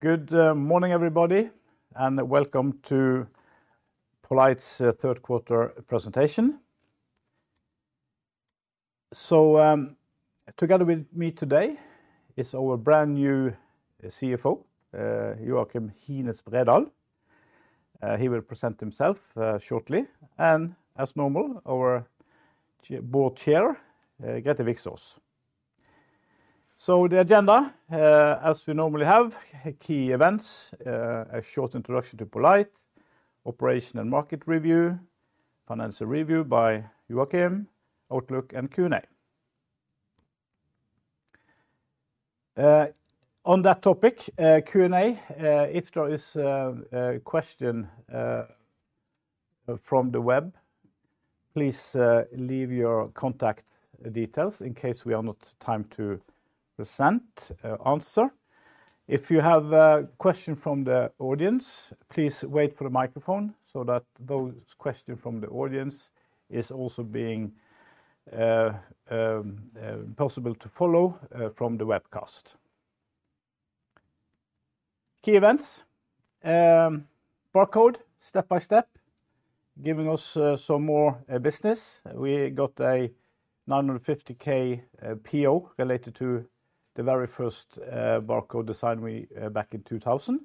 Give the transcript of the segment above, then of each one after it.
Good morning, everybody, and welcome to poLight's third quarter presentation. Together with me today is our brand new CFO, Joakim Hines Bredahl. He will present himself shortly, and as normal, our Board Chair, Grete Viksaas. The agenda, as we normally have: key events, a short introduction to poLight, operation and market review, financial review by Joakim, Outlook, and Q&A. On that topic, Q&A, if there is a question from the web, please leave your contact details in case we have not time to present or answer. If you have a question from the audience, please wait for the microphone so that those questions from the audience are also being possible to follow from the webcast. Key events: barcode, step by step, giving us some more business. We got a 950,000 PO related to the very first barcode design back in 2000.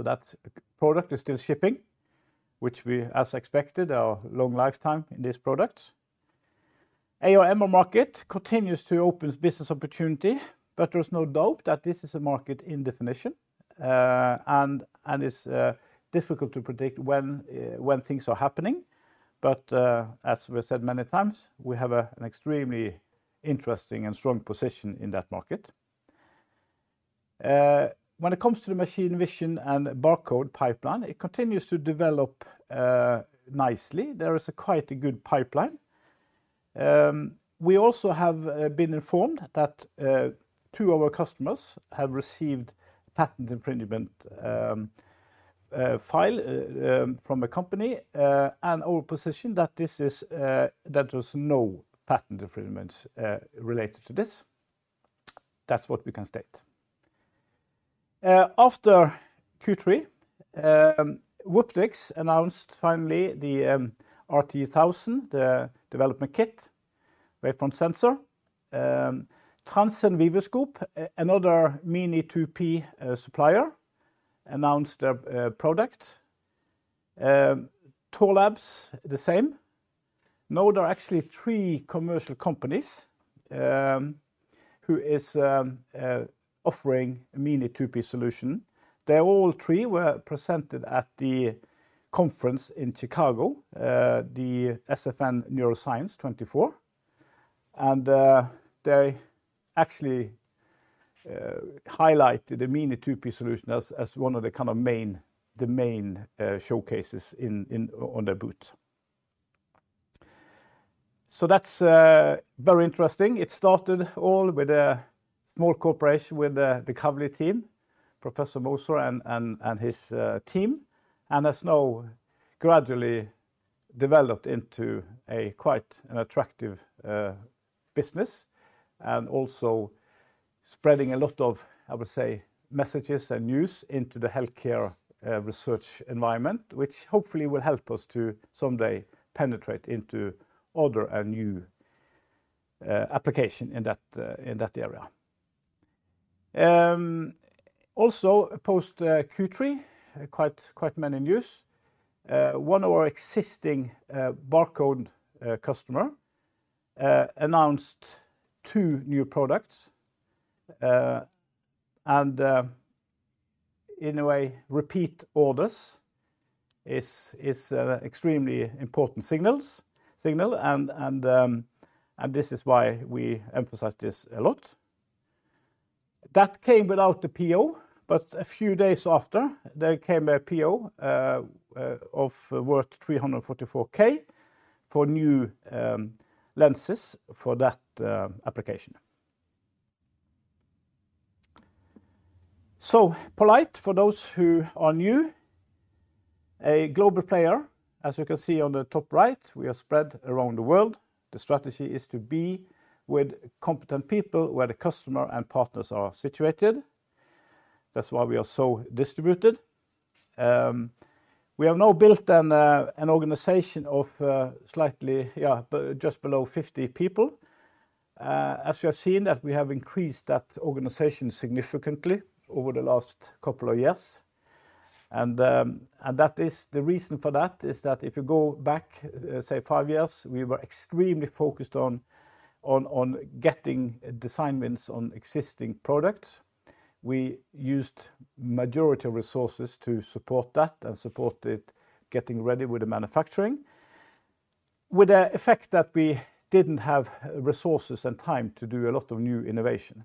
That product is still shipping, which we, as expected, our long lifetime in this product. The AR/MR market continues to open business opportunity, but there's no doubt that this is a market in definition, and it's difficult to predict when things are happening. As we said many times, we have an extremely interesting and strong position in that market. When it comes to the machine vision and barcode pipeline, it continues to develop nicely. There is quite a good pipeline. We also have been informed that two of our customers have received a patent infringement file from a company, and our position is that there's no patent infringements related to this. That's what we can state. After Q3, Wooptix announced finally the RT1000, the development kit, wavefront sensor. Transcend Vivoscope, another Mini2P supplier, announced a product. Thorlabs, the same. Now there are actually three commercial companies who are offering a Mini2P solution. They all three were presented at the conference in Chicago, the SfN Neuroscience 2024, and they actually highlighted the Mini2P solution as one of the kind of main showcases on their booth, so that's very interesting. It started all with a small collaboration with the Kavli team, Professor Moser and his team, and has now gradually developed into quite an attractive business and also spreading a lot of, I would say, messages and news into the healthcare research environment, which hopefully will help us to someday penetrate into other new applications in that area. Also, post-Q3, quite many news. One of our existing barcode customers announced two new products, and in a way, repeat orders are extremely important signals, and this is why we emphasize this a lot. That came without the PO, but a few days after, there came a PO worth 344,000 for new lenses for that application. So, poLight, for those who are new, a global player, as you can see on the top right, we are spread around the world. The strategy is to be with competent people where the customer and partners are situated. That's why we are so distributed. We have now built an organization of slightly, yeah, just below 50 people. As you have seen, we have increased that organization significantly over the last couple of years. That is the reason that if you go back, say, five years, we were extremely focused on getting assignments on existing products. We used the majority of resources to support that and supported getting ready with the manufacturing, with the effect that we didn't have resources and time to do a lot of new innovation.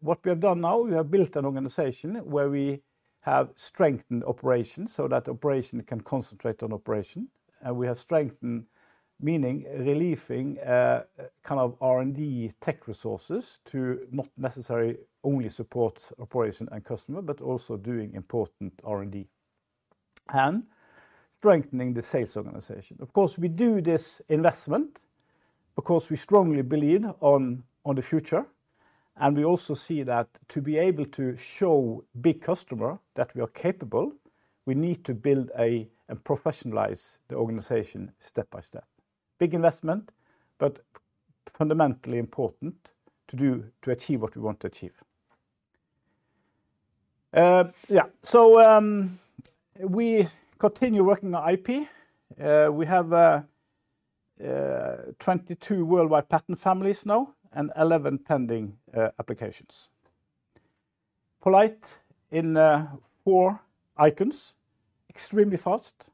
What we have done now, we have built an organization where we have strengthened operations so that operations can concentrate on operations. And we have strengthened, meaning relieving kind of R&D tech resources to not necessarily only support operations and customers, but also doing important R&D and strengthening the sales organization. Of course, we do this investment because we strongly believe in the future, and we also see that to be able to show big customers that we are capable, we need to build and professionalize the organization step by step. Big investment, but fundamentally important to achieve what we want to achieve. Yeah, so we continue working on IP. We have 22 worldwide patent families now and 11 pending applications. poLight, in four icons: extremely fast,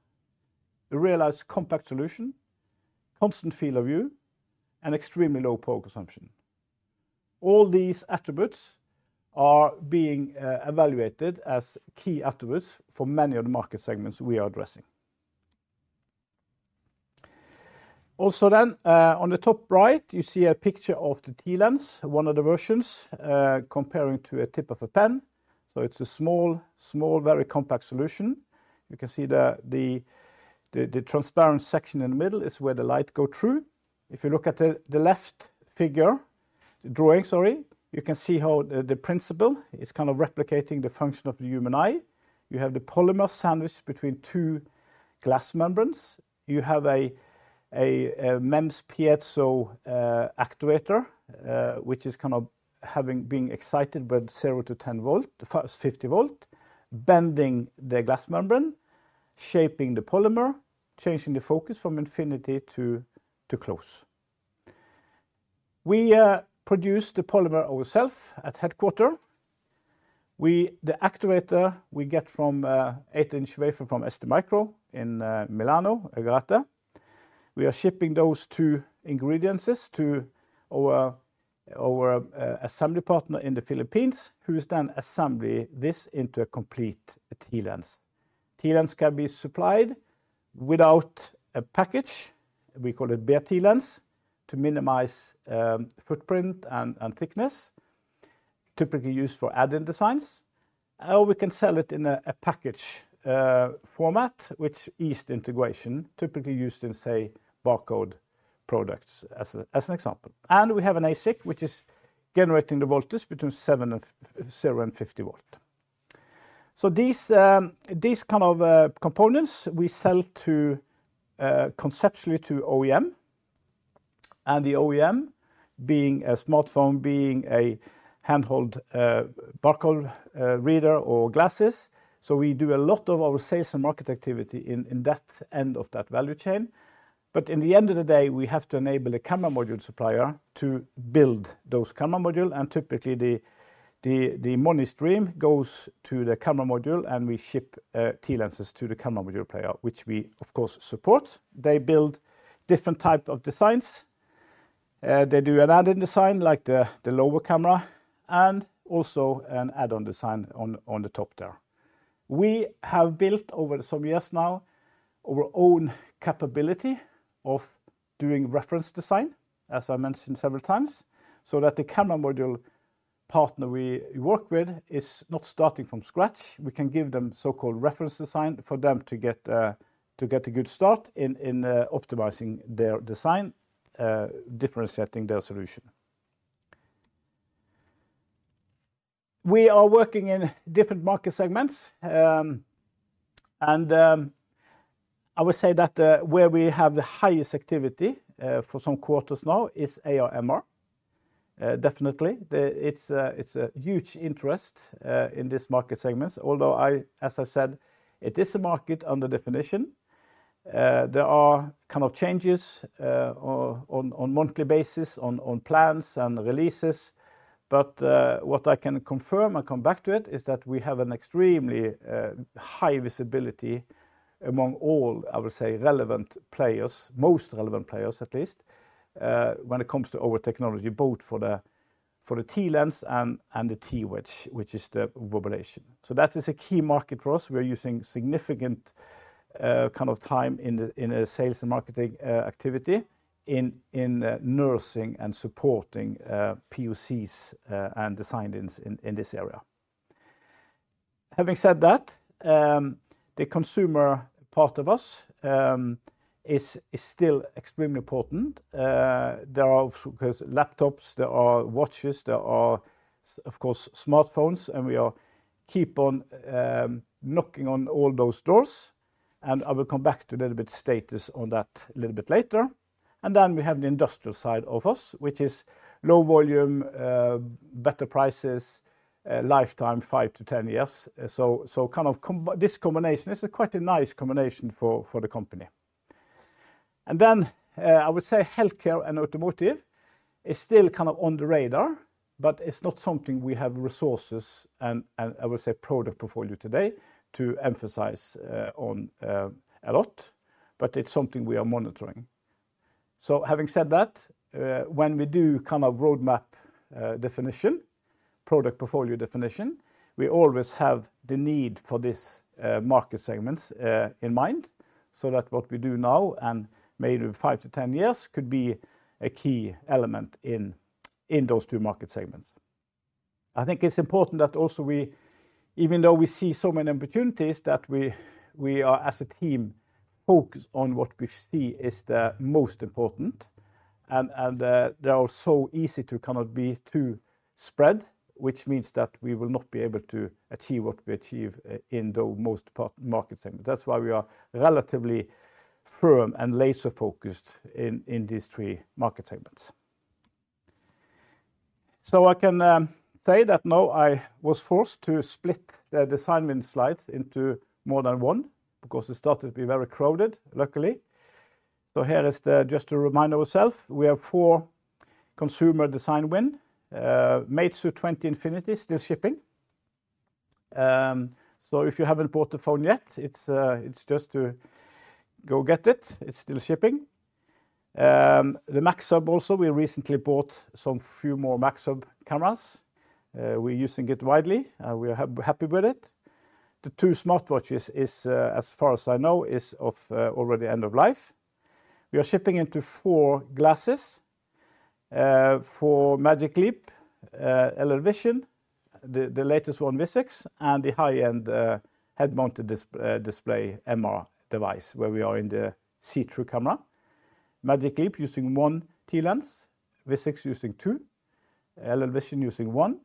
a realized compact solution, constant field of view, and extremely low power consumption. All these attributes are being evaluated as key attributes for many of the market segments we are addressing. Also then, on the top right, you see a picture of the TLens, one of the versions, comparing to a tip of a pen. So it's a small, small, very compact solution. You can see the transparent section in the middle is where the light goes through. If you look at the left figure, the drawing, sorry, you can see how the principle is kind of replicating the function of the human eye. You have the polymer sandwich between two glass membranes. You have a MEMS piezo actuator, which is kind of being excited with 0 to 10 volts, 50 volts, bending the glass membrane, shaping the polymer, changing the focus from infinity to close. We produce the polymer ourselves at headquarters. The actuator we get from 8-inch wafer from STMicroelectronics in Milan, Agrate Brianza. We are shipping those two ingredients to our assembly partner in the Philippines, who is then assembling this into a complete TLens. TLens can be supplied without a package. We call it bare TLens to minimize footprint and thickness, typically used for add-in designs. Or we can sell it in a package format, which is eased integration, typically used in, say, barcode products as an example. We have an ASIC, which is generating the voltage between 7 and 0 and 50 volts. So these kind of components, we sell conceptually to OEM, and the OEM, being a smartphone, being a handheld barcode reader or glasses. So we do a lot of our sales and market activity in that end of that value chain. But in the end of the day, we have to enable a camera module supplier to build those camera modules. And typically, the money stream goes to the camera module, and we ship TLens to the camera module player, which we, of course, support. They build different types of designs. They do an add-in design, like the lower camera, and also an add-on design on the top there. We have built over some years now our own capability of doing reference design, as I mentioned several times, so that the camera module partner we work with is not starting from scratch. We can give them so-called reference design for them to get a good start in optimizing their design, differentiating their solution. We are working in different market segments, and I would say that where we have the highest activity for some quarters now is AR/MR, definitely. It's a huge interest in these market segments, although, as I said, it is a market under definition. There are kind of changes on a monthly basis on plans and releases, but what I can confirm and come back to it is that we have an extremely high visibility among all, I would say, relevant players, most relevant players at least, when it comes to our technology, both for the TLens and the TWedge, which is the Wobulation. So that is a key market for us. We are using significant kind of time in the sales and marketing activity in nurturing and supporting POCs and designs in this area. Having said that, the consumer part of us is still extremely important. There are laptops, there are watches, there are, of course, smartphones, and we keep on knocking on all those doors, and I will come back to a little bit of status on that a little bit later, and then we have the industrial side of us, which is low volume, better prices, lifetime five to 10 years, so kind of this combination is quite a nice combination for the company, and then I would say healthcare and automotive is still kind of on the radar, but it's not something we have resources and, I would say, product portfolio today to emphasize on a lot, but it's something we are monitoring. Having said that, when we do kind of roadmap definition, product portfolio definition, we always have the need for these market segments in mind so that what we do now and maybe five to 10 years could be a key element in those two market segments. I think it's important that also we, even though we see so many opportunities, that we are, as a team, focused on what we see is the most important, and they are so easy to kind of be too spread, which means that we will not be able to achieve what we achieve in those most market segments. That's why we are relatively firm and laser-focused in these three market segments, so I can say that now I was forced to split the design-win slides into more than one because it started to be very crowded, luckily. So here is just to remind ourselves, we have four consumer design wins, Meizu 20 Infinity, still shipping. So if you haven't bought the phone yet, it's just to go get it. It's still shipping. The MaxHub also, we recently bought some few more MaxHub cameras. We're using it widely. We are happy with it. The two smartwatches, as far as I know, are already end of life. We are shipping into four glasses: Magic Leap, LLVISION, the latest one, Vuzix, and the high-end head-mounted display MR device where we are in the see-through camera. Magic Leap using one TLens, Vuzix using two, LLVISION using one,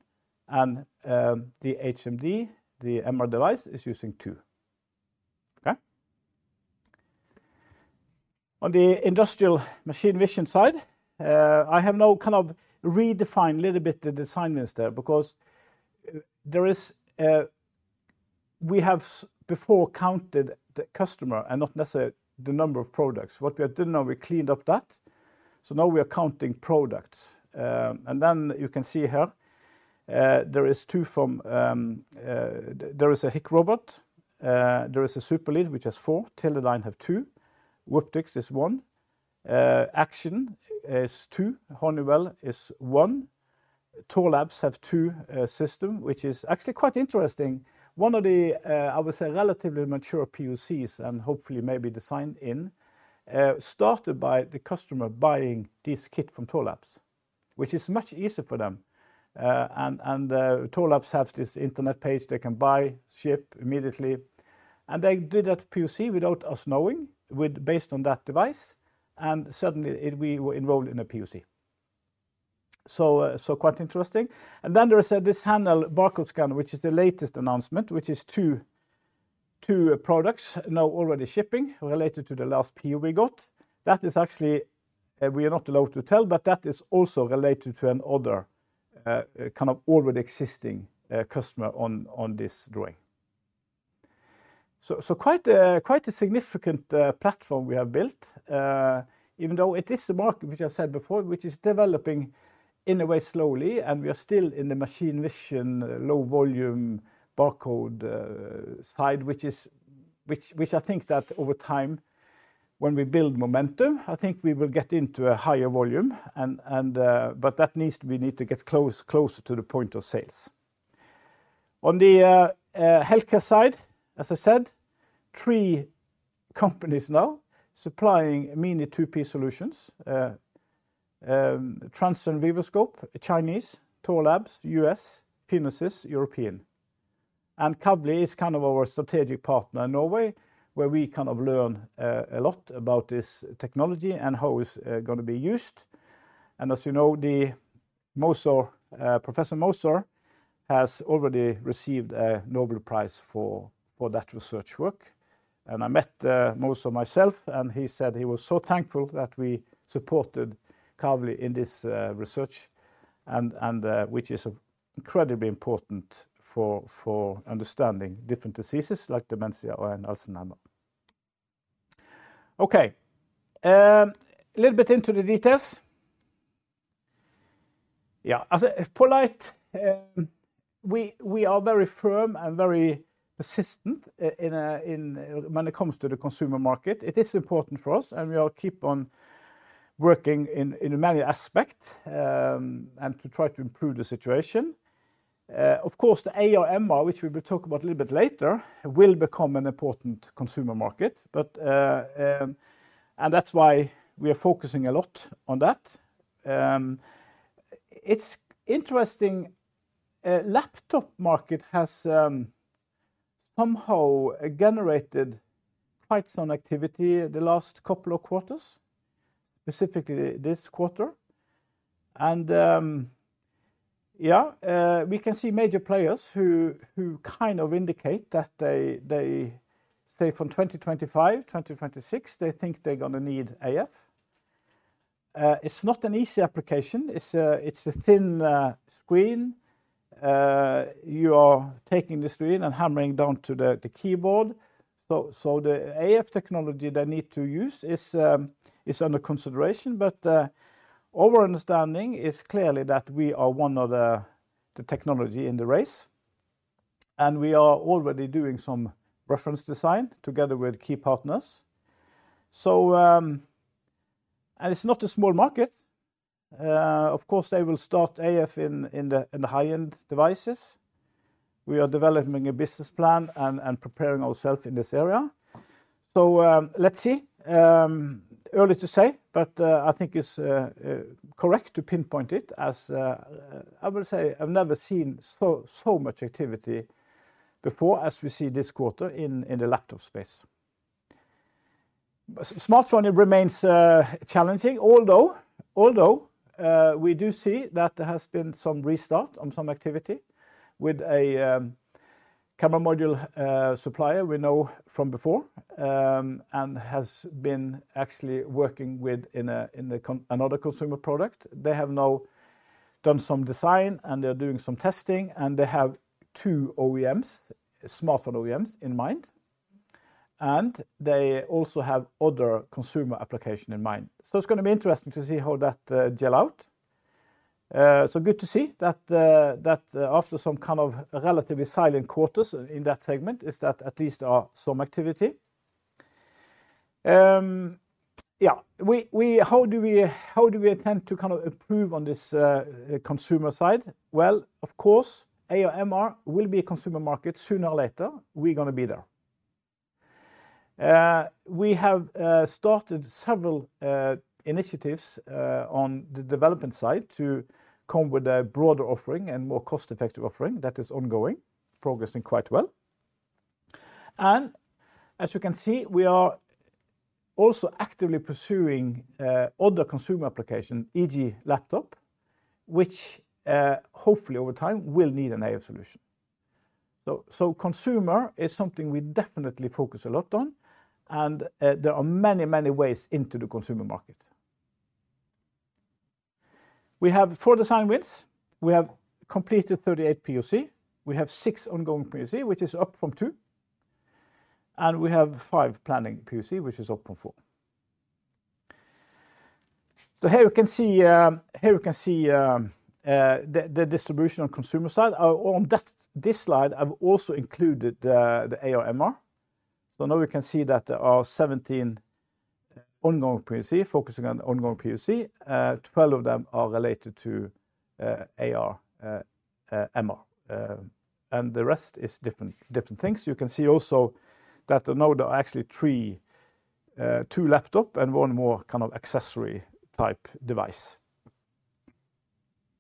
and the HMD, the MR device is using two. Okay. On the industrial machine vision side, I have now kind of redefined a little bit the design wins there because there is, we have before counted the customer and not necessarily the number of products. What we did now, we cleaned up that, so now we are counting products, and then you can see here, there is two from, there is a Hikrobot, there is a SuperLead, which has four. Teledyne have two. Wooptix is one. Axon is two. Honeywell is one. Thorlabs have two systems, which is actually quite interesting. One of the, I would say, relatively mature POCs and hopefully maybe design-in, started by the customer buying this kit from Thorlabs, which is much easier for them, and Thorlabs have this internet page they can buy, ship immediately. And they did that POC without us knowing, based on that device, and suddenly we were enrolled in a POC. So quite interesting. And then there is this handheld barcode scanner, which is the latest announcement, which is two products now already shipping related to the last PO we got. That is actually, we are not allowed to tell, but that is also related to another kind of already existing customer on this drawing. So quite a significant platform we have built, even though it is a market, which I said before, which is developing in a way slowly, and we are still in the machine vision, low volume barcode side, which I think that over time, when we build momentum, I think we will get into a higher volume. But that means we need to get closer to the point of sales. On the healthcare side, as I said, three companies now supplying mainly two-photon solutions: Transcend Vivoscope, Chinese, Thorlabs, U.S., Phasics, European, and Kavli is kind of our strategic partner in Norway, where we kind of learn a lot about this technology and how it's going to be used, and as you know, Professor Moser has already received a Nobel Prize for that research work, and I met Moser myself, and he said he was so thankful that we supported Kavli in this research, which is incredibly important for understanding different diseases like dementia and Alzheimer. Okay, a little bit into the details. Yeah, as a poLight, we are very firm and very persistent when it comes to the consumer market. It is important for us, and we will keep on working in many aspects and to try to improve the situation. Of course, the AR/MR, which we will talk about a little bit later, will become an important consumer market. And that's why we are focusing a lot on that. It's interesting. The laptop market has somehow generated quite some activity the last couple of quarters, specifically this quarter. And yeah, we can see major players who kind of indicate that they, say, from 2025, 2026, they think they're going to need AF. It's not an easy application. It's a thin screen. You are taking the screen and hammering down to the keyboard. So the AF technology they need to use is under consideration. But our understanding is clearly that we are one of the technologies in the race. And we are already doing some reference design together with key partners. And it's not a small market. Of course, they will start AF in the high-end devices. We are developing a business plan and preparing ourselves in this area, so let's see. Early to say, but I think it's correct to pinpoint it as I would say I've never seen so much activity before as we see this quarter in the laptop space. Smartphone remains challenging, although we do see that there has been some restart on some activity with a camera module supplier we know from before and has been actually working with in another consumer product. They have now done some design, and they're doing some testing, and they have two OEMs, smartphone OEMs in mind, and they also have other consumer applications in mind, so it's going to be interesting to see how that gels out, so good to see that after some kind of relatively silent quarters in that segment, at least there is some activity. Yeah, how do we intend to kind of improve on this consumer side? Well, of course, AR/MR will be a consumer market sooner or later. We're going to be there. We have started several initiatives on the development side to come with a broader offering and more cost-effective offering that is ongoing, progressing quite well. And as you can see, we are also actively pursuing other consumer applications, e.g., laptop, which hopefully over time will need an AF solution. So consumer is something we definitely focus a lot on, and there are many, many ways into the consumer market. We have four design wins. We have completed 38 POC. We have six ongoing POC, which is up from two. And we have five planning POC, which is up from four. So here you can see the distribution on consumer side. On this slide, I've also included the AR/MR. So now we can see that there are 17 ongoing POC, focusing on ongoing POC. Twelve of them are related to AR/MR. And the rest is different things. You can see also that now there are actually two laptops and one more kind of accessory type device.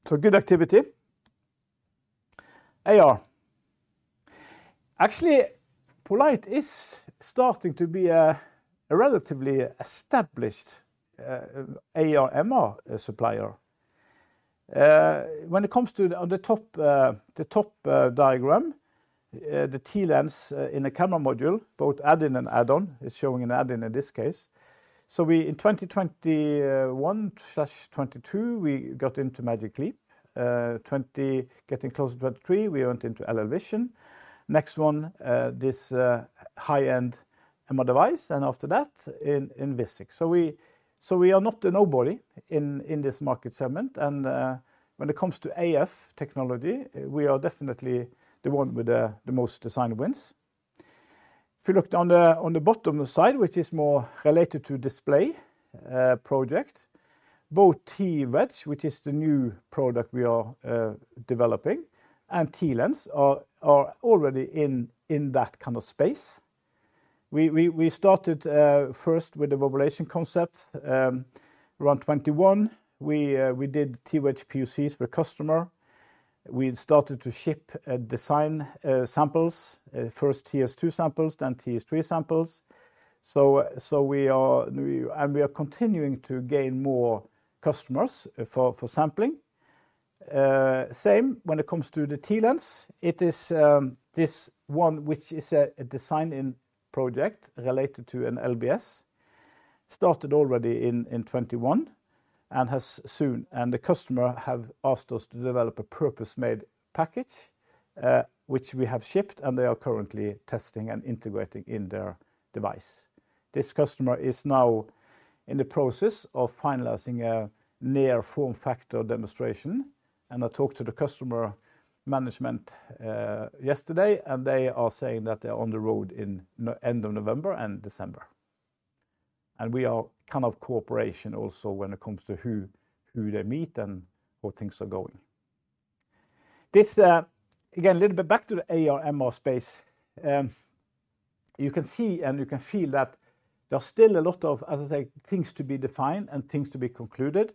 So good activity. AR. Actually, poLight is starting to be a relatively established AR/MR supplier. When it comes to the top diagram, the TLens in a camera module, both add-in and add-on, is showing an add-in in this case. So in 2021/22, we got into Magic Leap. Getting close to 23, we went into LLVISION. Next one, this high-end MR device. And after that, in Vuzix. So we are not a nobody in this market segment. And when it comes to AF technology, we are definitely the one with the most design wins. If you look down on the bottom side, which is more related to display projects, both TWedge, which is the new product we are developing, and TLens are already in that kind of space. We started first with the Wobulation concept around 2021. We did TWedge POCs with customers. We started to ship design samples, first TS2 samples, then TS3 samples, so we are continuing to gain more customers for sampling. Same when it comes to the TLens. It is this one, which is a design-in project related to an LBS, started already in 2021 and has soon, and the customer has asked us to develop a purpose-made package, which we have shipped, and they are currently testing and integrating in their device. This customer is now in the process of finalizing a near form factor demonstration. I talked to the customer management yesterday, and they are saying that they are on the road in the end of November and December. We are kind of cooperation also when it comes to who they meet and how things are going. Again, a little bit back to the AR/MR space. You can see and you can feel that there are still a lot of, as I say, things to be defined and things to be concluded,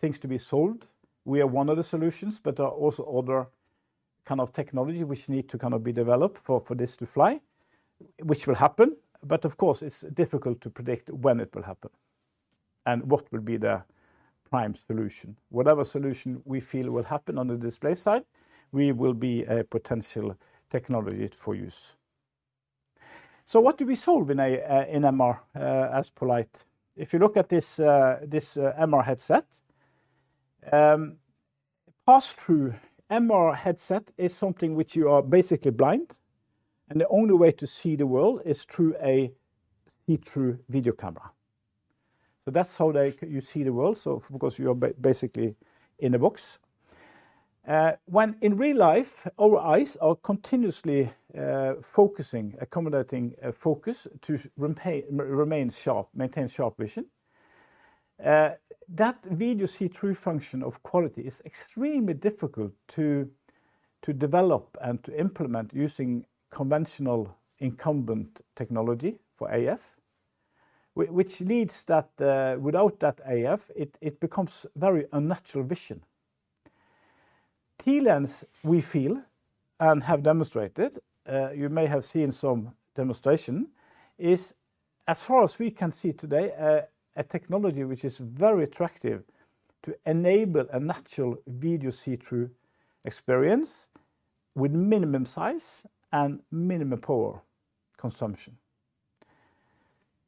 things to be sold. We are one of the solutions, but there are also other kind of technologies which need to kind of be developed for this to fly, which will happen. But of course, it's difficult to predict when it will happen and what will be the prime solution. Whatever solution we feel will happen on the display side, we will be a potential technology for use. So what do we solve in AR/MR as poLight? If you look at this MR headset, pass-through MR headset is something which you are basically blind. And the only way to see the world is through a see-through video camera. So that's how you see the world because you are basically in a box. When in real life, our eyes are continuously focusing, accommodating focus to remain sharp, maintain sharp vision. That video see-through function of quality is extremely difficult to develop and to implement using conventional incumbent technology for AF, which leads that without that AF, it becomes very unnatural vision. TLens, we feel and have demonstrated, you may have seen some demonstration, is, as far as we can see today, a technology which is very attractive to enable a natural video see-through experience with minimum size and minimum power consumption.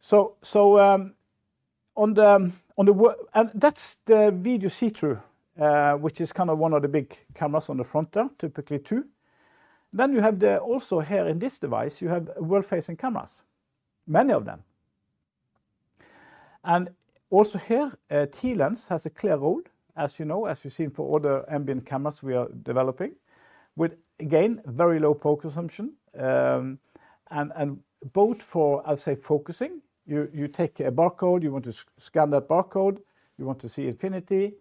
That's the video see-through, which is kind of one of the big cameras on the front there, typically two. Then you have also here in this device. You have world-facing cameras, many of them. And also here, TLens has a clear role, as you know, as you've seen for other ambient cameras we are developing, with, again, very low focus assumption. And both for, I would say, focusing, you take a barcode, you want to scan that barcode, you want to see infinity,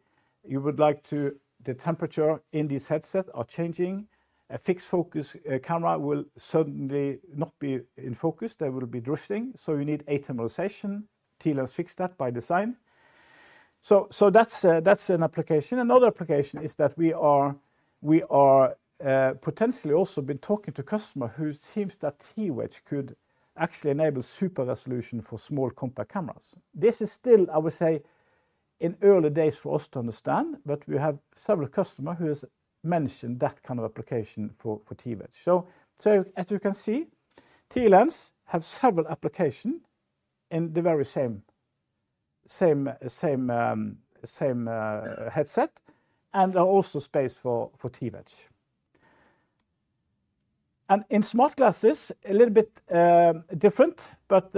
you would like to, the temperature in these headsets are changing. A fixed-focus camera will suddenly not be in focus. There will be drifting. So you need autofocus. TLens fixes that by design. So that's an application. Another application is that we are potentially also been talking to customers who seem that TWedge could actually enable super resolution for small compact cameras. This is still, I would say, in early days for us to understand, but we have several customers who have mentioned that kind of application for TWedge, so as you can see, TLens has several applications in the very same headset and also space for TWedge, and in smart glasses, a little bit different, but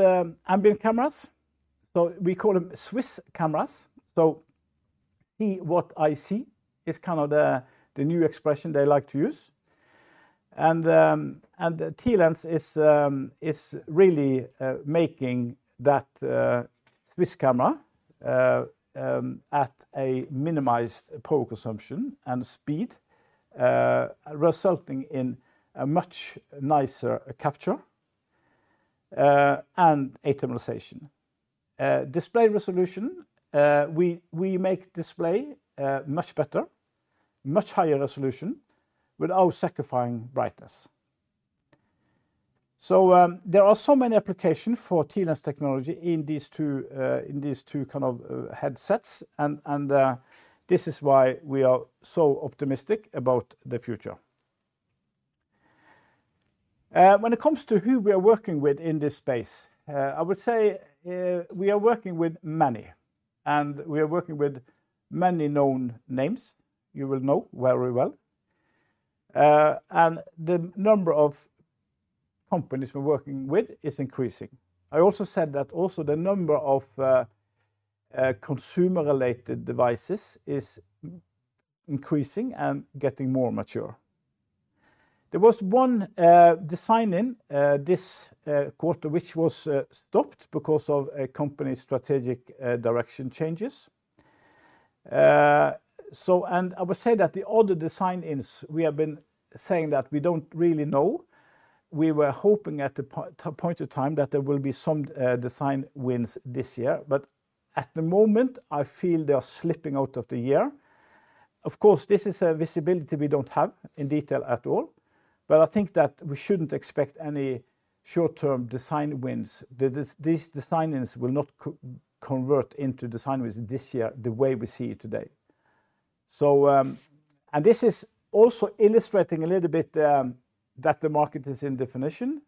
ambient cameras, so we call them see-what-I-see cameras, so see what I see is kind of the new expression they like to use, and TLens is really making that see-what-I-see camera at a minimized power consumption and speed, resulting in a much nicer capture and automation. Display resolution, we make display much better, much higher resolution without sacrificing brightness, so there are so many applications for TLens technology in these two kind of headsets, and this is why we are so optimistic about the future. When it comes to who we are working with in this space, I would say we are working with many. And we are working with many known names. You will know very well. And the number of companies we're working with is increasing. I also said that also the number of consumer-related devices is increasing and getting more mature. There was one design in this quarter which was stopped because of a company's strategic direction changes. And I would say that the other design ins, we have been saying that we don't really know. We were hoping at a point of time that there will be some design wins this year. But at the moment, I feel they are slipping out of the year. Of course, this is a visibility we don't have in detail at all. But I think that we shouldn't expect any short-term design wins. These design-ins will not convert into design-wins this year the way we see it today. This is also illustrating a little bit that the market is in definition.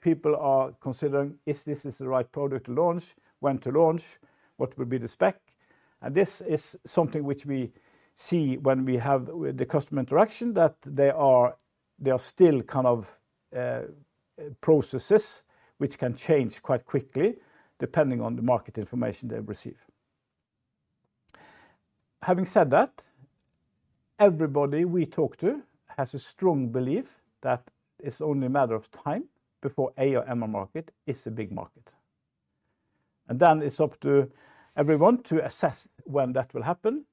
People are considering if this is the right product to launch, when to launch, what will be the spec. This is something which we see when we have the customer interaction that they are still kind of processes which can change quite quickly depending on the market information they receive. Having said that, everybody we talk to has a strong belief that it's only a matter of time before AR/MR market is a big market. Then it's up to everyone to assess when that will happen.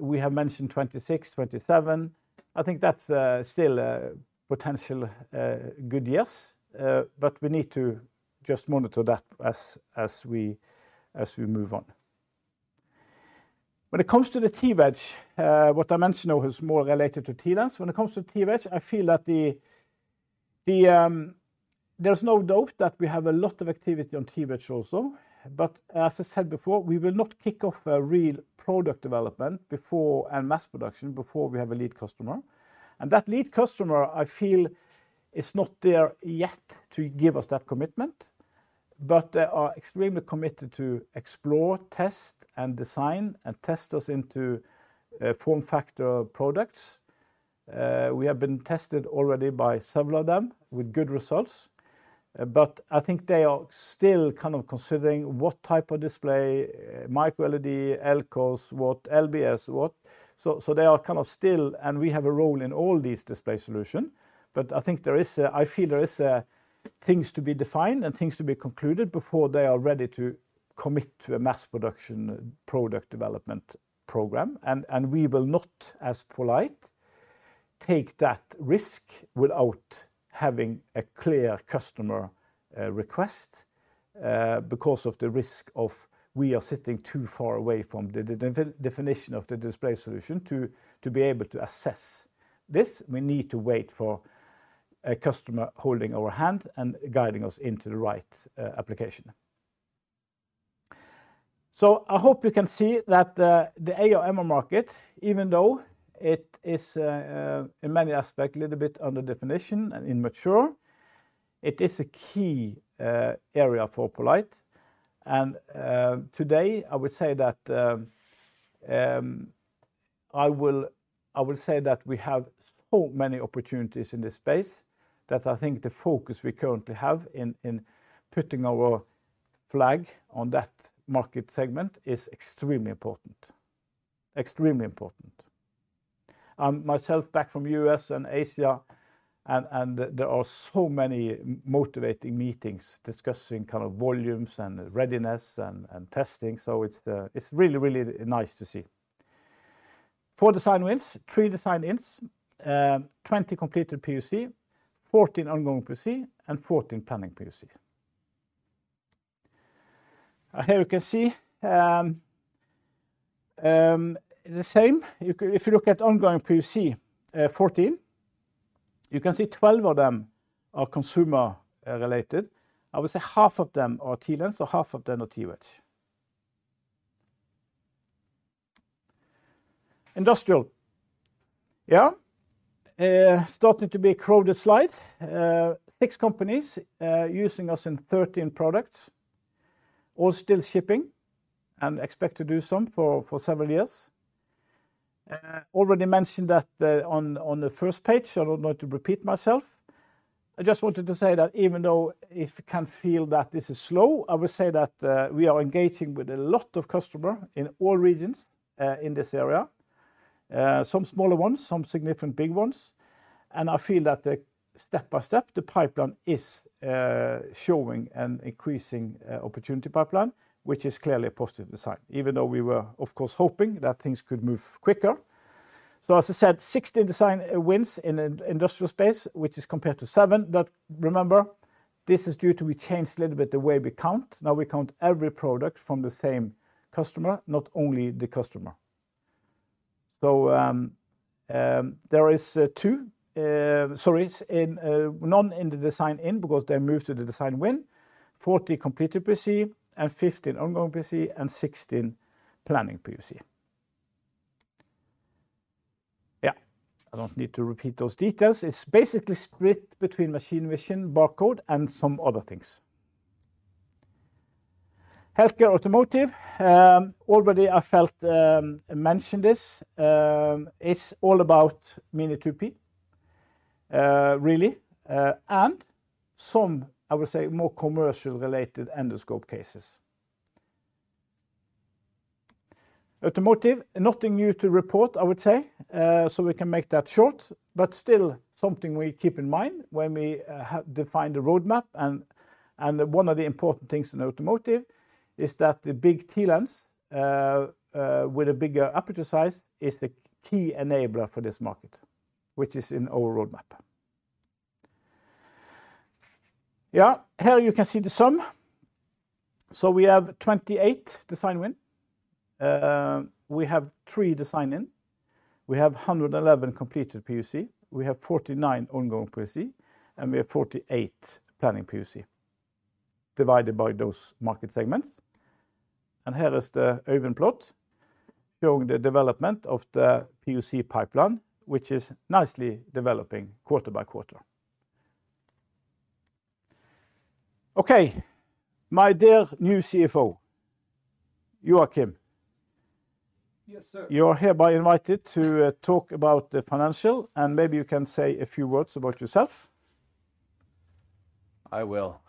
We have mentioned 2026, 2027. I think that's still potential good years. We need to just monitor that as we move on. When it comes to the TWedge, what I mentioned now is more related to TLens. When it comes to TWedge, I feel that there is no doubt that we have a lot of activity on TWedge also. But as I said before, we will not kick off a real product development and mass production before we have a lead customer. And that lead customer, I feel it's not there yet to give us that commitment. But they are extremely committed to explore, test, and design and test us into form factor products. We have been tested already by several of them with good results. But I think they are still kind of considering what type of display, MicroLED, LCOS, what LBS, what. So they are kind of still, and we have a role in all these display solutions. But I think there is. I feel there is things to be defined and things to be concluded before they are ready to commit to a mass production product development program. We will not, as poLight, take that risk without having a clear customer request because of the risk of we are sitting too far away from the definition of the display solution to be able to assess this. We need to wait for a customer holding our hand and guiding us into the right application. I hope you can see that the AR/MR market, even though it is in many aspects a little bit under definition and immature, it is a key area for poLight. Today, I would say that I will say that we have so many opportunities in this space that I think the focus we currently have in putting our flag on that market segment is extremely important. Extremely important. I'm myself back from the U.S. and Asia, and there are so many motivating meetings discussing kind of volumes and readiness and testing. So it's really, really nice to see. Four design wins, three design ins, 20 completed POC, 14 ongoing POC, and 14 planning POC. Here you can see the same. If you look at ongoing POC 14, you can see 12 of them are consumer-related. I would say half of them are TLens or half of them are TWedge. Industrial. Yeah. Starting to be a crowded slide. Six companies using us in 13 products. All still shipping and expect to do some for several years. Already mentioned that on the first page, so I don't want to repeat myself. I just wanted to say that even though if you can feel that this is slow, I would say that we are engaging with a lot of customers in all regions in this area. Some smaller ones, some significant big ones, and I feel that step by step, the pipeline is showing an increasing opportunity pipeline, which is clearly a positive design, even though we were, of course, hoping that things could move quicker, so as I said, 16 design wins in the industrial space, which is compared to seven, but remember, this is due to we changed a little bit the way we count. Now we count every product from the same customer, not only the customer, so there is two, sorry, none in the design in because they moved to the design win. 40 completed POC and 15 ongoing POC and 16 planning POC. Yeah, I don't need to repeat those details. It's basically split between machine vision, barcode, and some other things. Healthcare, automotive, already I have mentioned this, is all about Mini2P, really, and some, I would say, more commercial-related endoscope cases. Automotive, nothing new to report, I would say, so we can make that short, but still something we keep in mind when we define the roadmap, and one of the important things in automotive is that the big TLens with a bigger aperture size is the key enabler for this market, which is in our roadmap. Yeah, here you can see the sum. So we have 28 design-win. We have three design-in. We have 111 completed POC. We have 49 ongoing POC, and we have 48 planning POC divided by those market segments. Here is the Øyvind plot showing the development of the POC pipeline, which is nicely developing quarter by quarter. Okay, my dear new CFO, you are Joakim. Yes, sir. You are hereby invited to talk about the financial, and maybe you can say a few words about yourself. I will.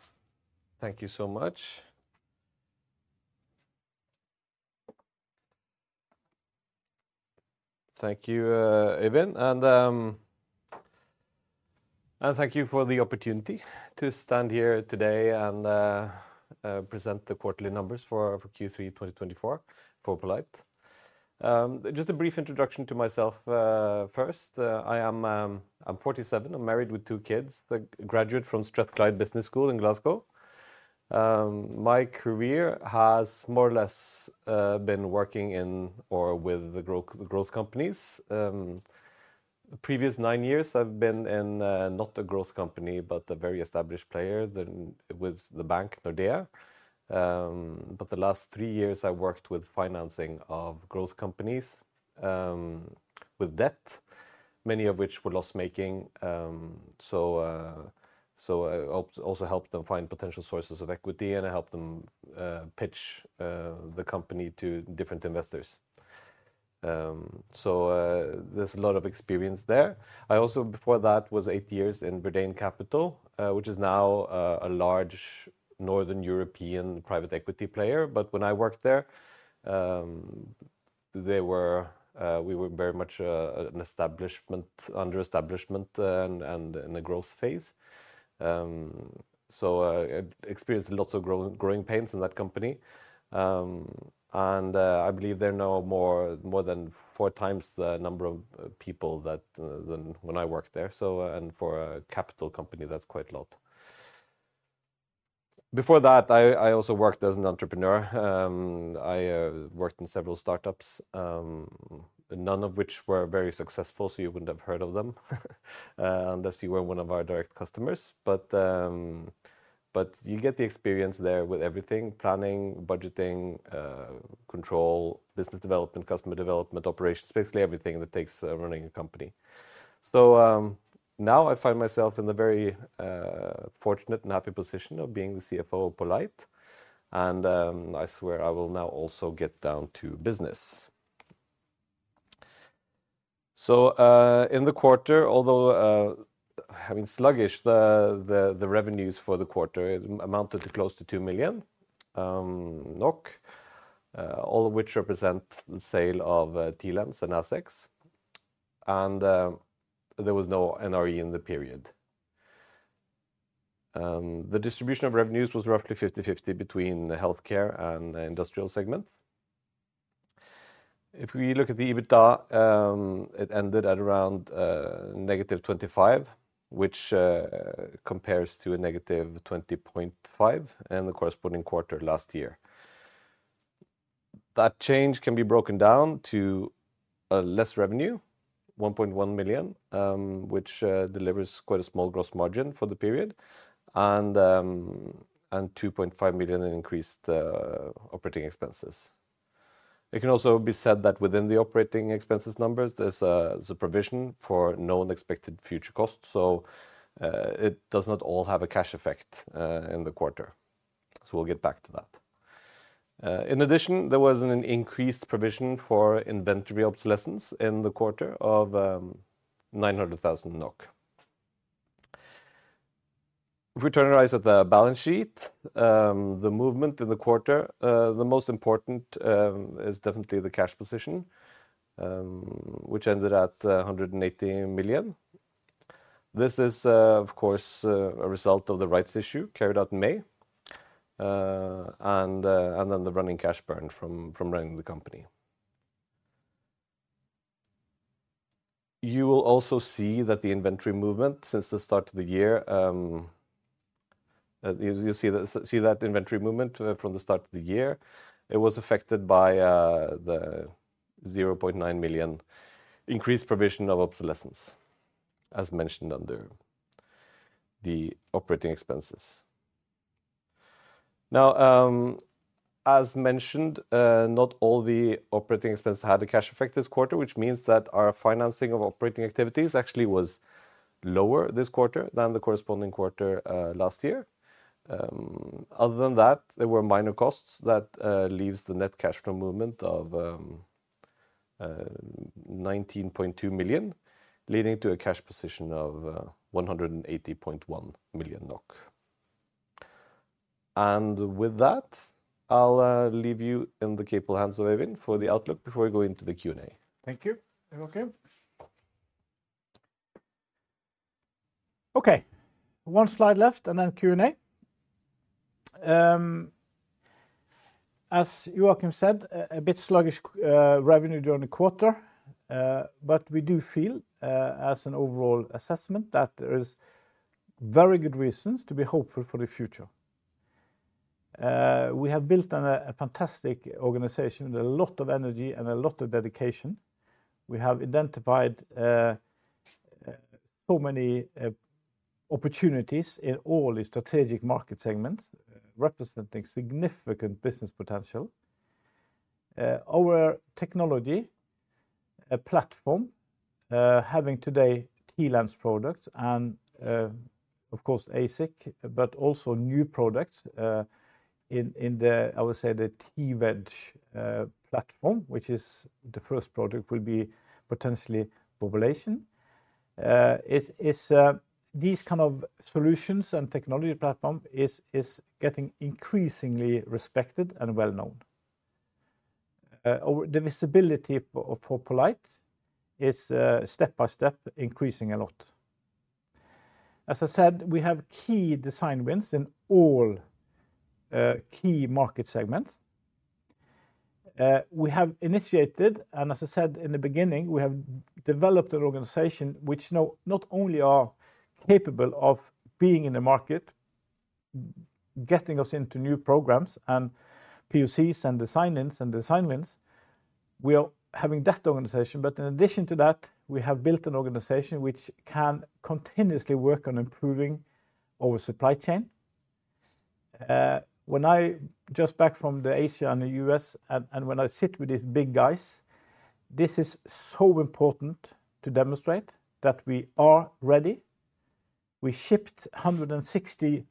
Thank you so much. Thank you, Øyvind, and thank you for the opportunity to stand here today and present the quarterly numbers for Q3 2024 for poLight. Just a brief introduction to myself first. I am 47. I'm married with two kids. I graduated from Strathclyde Business School in Glasgow. My career has more or less been working in or with the growth companies. Previous nine years, I've been in not a growth company, but a very established player with the bank, Nordea. But the last three years, I worked with financing of growth companies with debt, many of which were loss-making. So I also helped them find potential sources of equity, and I helped them pitch the company to different investors. So there's a lot of experience there. I also, before that, was eight years in Verdane, which is now a large Northern European private equity player. But when I worked there, we were very much an establishment, under establishment, and in a growth phase. So I experienced lots of growing pains in that company. And I believe they're now more than four times the number of people than when I worked there. And for a capital company, that's quite a lot. Before that, I also worked as an entrepreneur. I worked in several startups, none of which were very successful, so you wouldn't have heard of them. Unless you were one of our direct customers. But you get the experience there with everything: planning, budgeting, control, business development, customer development, operations, basically everything that takes running a company. So now I find myself in the very fortunate and happy position of being the CFO of poLight. And I swear I will now also get down to business. So in the quarter, although having sluggish, the revenues for the quarter amounted to close to two million NOK, all of which represent the sale of TLens and ASIC. And there was no NRE in the period. The distribution of revenues was roughly 50-50 between the healthcare and the industrial segment. If we look at the EBITDA, it ended at around negative 25, which compares to a negative 20.5 in the corresponding quarter last year. That change can be broken down to less revenue, 1.1 million, which delivers quite a small gross margin for the period, and 2.5 million in increased operating expenses. It can also be said that within the operating expenses numbers, there's a provision for known expected future costs. So it does not all have a cash effect in the quarter. So we'll get back to that. In addition, there was an increased provision for inventory obsolescence in the quarter of 900,000 NOK. If we turn our eyes at the balance sheet, the movement in the quarter, the most important is definitely the cash position, which ended at 180 million. This is, of course, a result of the rights issue carried out in May, and then the running cash burn from running the company. You will also see that the inventory movement since the start of the year, you'll see that inventory movement from the start of the year, it was affected by the 0.9 million increased provision of obsolescence, as mentioned under the operating expenses. Now, as mentioned, not all the operating expenses had a cash effect this quarter, which means that our financing of operating activities actually was lower this quarter than the corresponding quarter last year. Other than that, there were minor costs that leave the net cash flow movement of 19.2 million, leading to a cash position of 180.1 million NOK. And with that, I'll leave you in the capable hands of Øyvind for the outlook before we go into the Q&A. Thank you. Okay. Okay, one slide left and then Q&A. As Joakim said, a bit sluggish revenue during the quarter, but we do feel as an overall assessment that there are very good reasons to be hopeful for the future. We have built a fantastic organization with a lot of energy and a lot of dedication. We have identified so many opportunities in all the strategic market segments representing significant business potential. Our technology platform, having today TLens products and, of course, ASIC, but also new products in the, I would say, the TWedge platform, which is the first product will be potentially populating. These kind of solutions and technology platforms are getting increasingly respected and well-known. The visibility for poLight is step by step increasing a lot. As I said, we have key design wins in all key market segments. We have initiated, and as I said in the beginning, we have developed an organization which not only is capable of being in the market, getting us into new programs and POCs and design ins and design wins. We are having that organization, but in addition to that, we have built an organization which can continuously work on improving our supply chain. When I just back from Asia and the U.S., and when I sit with these big guys, this is so important to demonstrate that we are ready. We shipped 160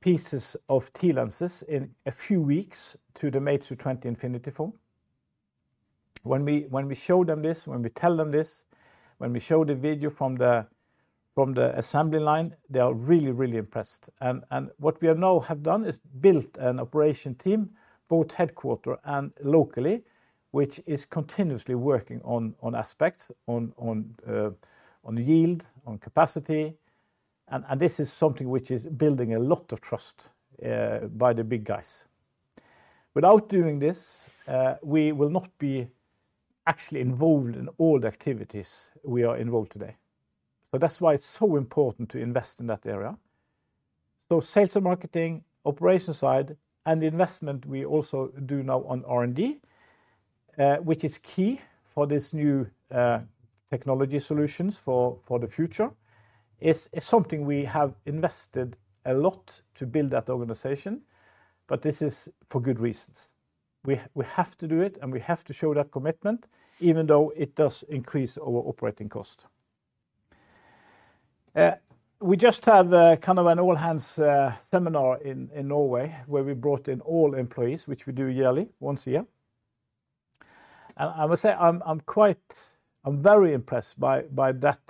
pieces of TLens in a few weeks to the Meizu 20 Infinity. When we show them this, when we tell them this, when we show the video from the assembly line, they are really, really impressed. And what we now have done is built an operation team, both headquarters and locally, which is continuously working on aspects, on yield, on capacity. And this is something which is building a lot of trust by the big guys. Without doing this, we will not be actually involved in all the activities we are involved today. So that's why it's so important to invest in that area. So sales and marketing, operation side, and the investment we also do now on R&D, which is key for these new technology solutions for the future, is something we have invested a lot to build that organization. But this is for good reasons. We have to do it, and we have to show that commitment, even though it does increase our operating cost. We just have kind of an all-hands seminar in Norway where we brought in all employees, which we do yearly, once a year. And I would say I'm very impressed by that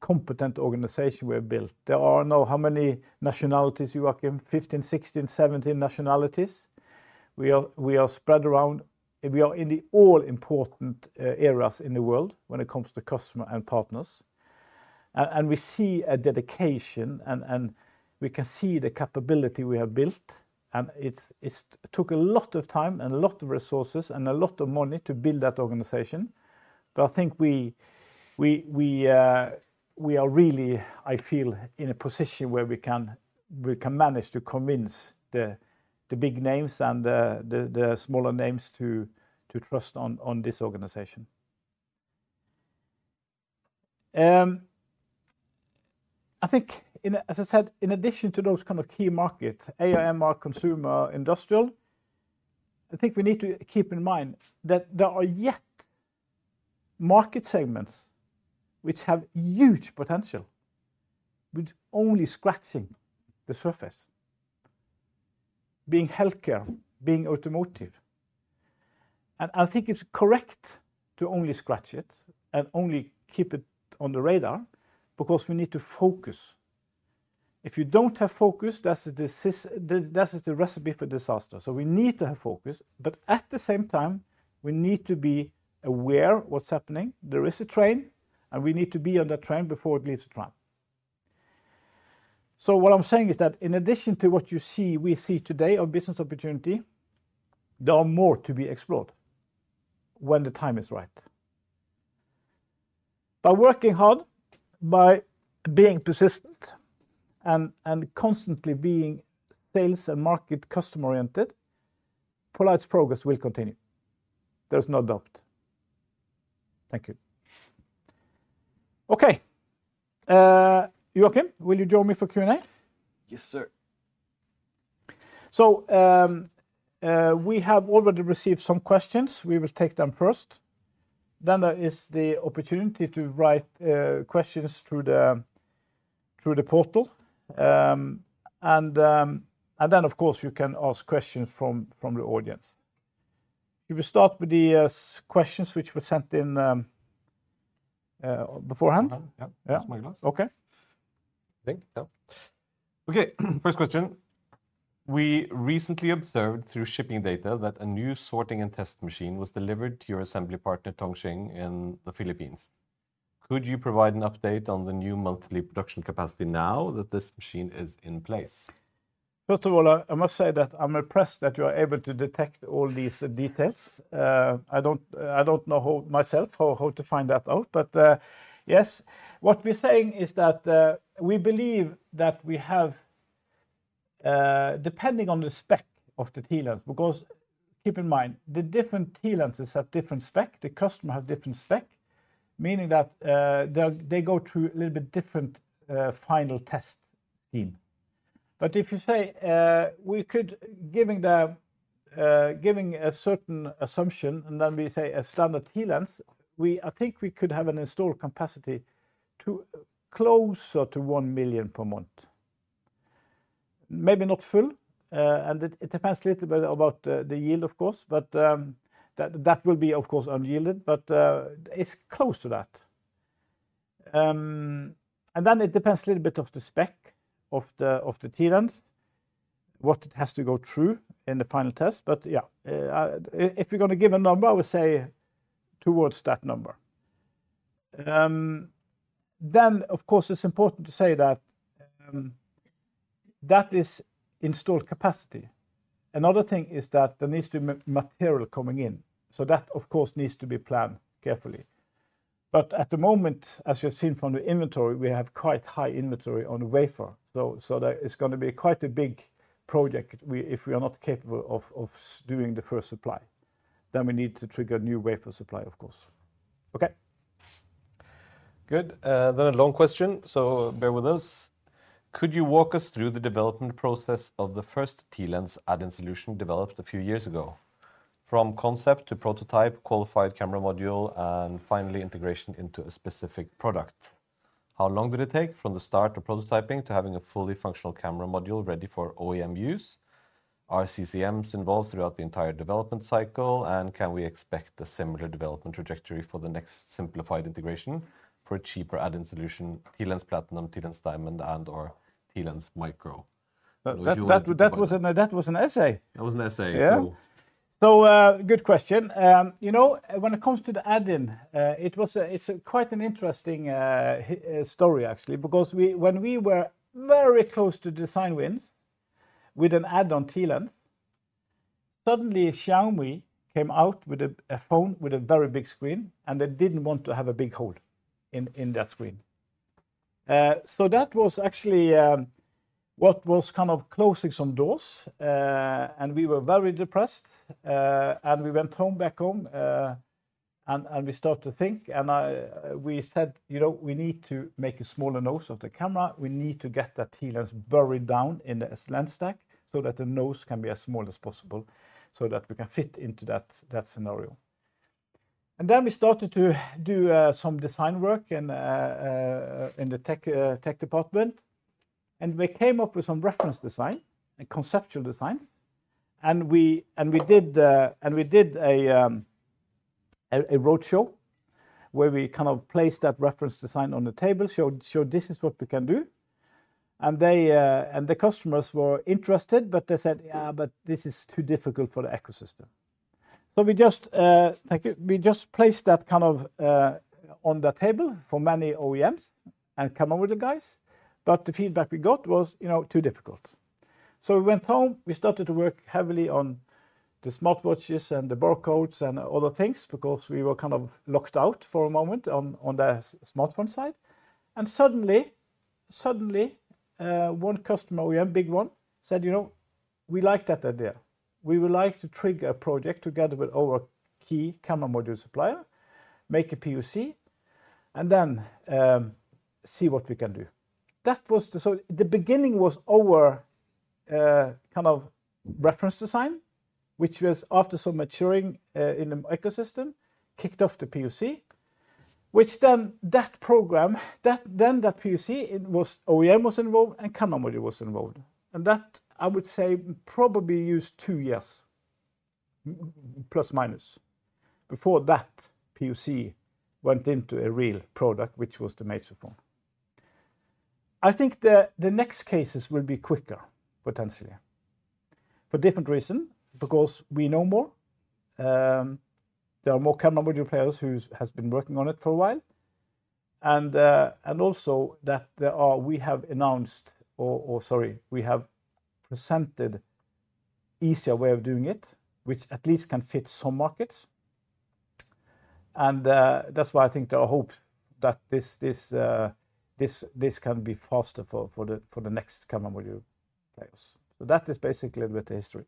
competent organization we have built. There are now how many nationalities, Joakim? 15, 16, 17 nationalities. We are spread around. We are in the all-important areas in the world when it comes to customers and partners. And we see a dedication, and we can see the capability we have built. And it took a lot of time and a lot of resources and a lot of money to build that organization. But I think we are really, I feel, in a position where we can manage to convince the big names and the smaller names to trust on this organization. I think, as I said, in addition to those kind of key markets, AR/MR, consumer, industrial, I think we need to keep in mind that there are other market segments which have huge potential, which are only scratching the surface, being healthcare, being automotive, and I think it's correct to only scratch it and only keep it on the radar because we need to focus. If you don't have focus, that's the recipe for disaster, so we need to have focus, but at the same time, we need to be aware of what's happening. There is a train, and we need to be on that train before it leaves the station, so what I'm saying is that in addition to what we see today of business opportunity, there are more to be explored when the time is right. By working hard, by being persistent, and constantly being sales and market customer-oriented, poLight's progress will continue. There's no doubt. Thank you. Okay. Joakim, will you join me for Q&A? Yes, sir. So we have already received some questions. We will take them first. Then there is the opportunity to write questions through the portal. And then, of course, you can ask questions from the audience. If we start with the questions which were sent in beforehand. Yeah, that's my glass. Okay. Okay, first question. We recently observed through shipping data that a new sorting and test machine was delivered to your assembly partner, Tong Hsing, in the Philippines. Could you provide an update on the new multi-production capacity now that this machine is in place? First of all, I must say that I'm impressed that you are able to detect all these details. I don't know myself how to find that out, but yes. What we're saying is that we believe that we have, depending on the spec of the TLens, because keep in mind, the different TLenses have different specs. The customer has different specs, meaning that they go through a little bit different final test scheme. But if you say we could, giving a certain assumption, and then we say a standard TLens, I think we could have an installed capacity closer to 1 million per month. Maybe not full, and it depends a little bit about the yield, of course, but that will be, of course, unyielded, but it's close to that. And then it depends a little bit on the spec of the TLens, what it has to go through in the final test. But yeah, if we're going to give a number, I would say towards that number. Then, of course, it's important to say that that is installed capacity. Another thing is that there needs to be material coming in. So that, of course, needs to be planned carefully. But at the moment, as you've seen from the inventory, we have quite high inventory on the wafer. So it's going to be quite a big project if we are not capable of doing the first supply. Then we need to trigger new wafer supply, of course. Okay. Good. Then a long question, so bear with us. Could you walk us through the development process of the first TLens add-in solution developed a few years ago, from concept to prototype, qualified camera module, and finally integration into a specific product? How long did it take from the start of prototyping to having a fully functional camera module ready for OEM use? Are CCMs involved throughout the entire development cycle, and can we expect a similar development trajectory for the next simplified integration for a cheaper add-in solution, TLens Platinum, TLens Diamond, and/or TLens Micro? That was an essay. That was an essay. Yeah. So good question. You know, when it comes to the add-in, it's quite an interesting story, actually, because when we were very close to design wins with an add-on TLens, suddenly Xiaomi came out with a phone with a very big screen, and they didn't want to have a big hole in that screen. So that was actually what was kind of closing some doors, and we were very depressed, and we went back home, and we started to think, and we said, you know, we need to make a smaller nose of the camera. We need to get that TLens buried down in the lens stack so that the nose can be as small as possible so that we can fit into that scenario. Then we started to do some design work in the tech department, and we came up with some reference design and conceptual design, and we did a roadshow where we kind of placed that reference design on the table, showed this is what we can do, and the customers were interested, but they said, yeah, but this is too difficult for the ecosystem. So we just placed that kind of on the table for many OEMs and come up with the guys, but the feedback we got was, you know, too difficult. We went home, we started to work heavily on the smartwatches and the barcodes and other things because we were kind of locked out for a moment on the smartphone side. And suddenly, one customer, a big one, said, you know, we like that idea. We would like to trigger a project together with our key camera module supplier, make a POC, and then see what we can do. That was the beginning of our kind of reference design, which was after some maturing in the ecosystem, kicked off the POC, which then that program, then that POC, OEM was involved and camera module was involved. And that, I would say, probably used two years, plus minus, before that POC went into a real product, which was the Meizu 20 Infinity. I think the next cases will be quicker, potentially, for different reasons, because we know more. There are more camera module players who have been working on it for a while, and also that we have announced, or sorry, we have presented an easier way of doing it, which at least can fit some markets, and that's why I think there are hopes that this can be faster for the next camera module players, so that is basically a bit of history.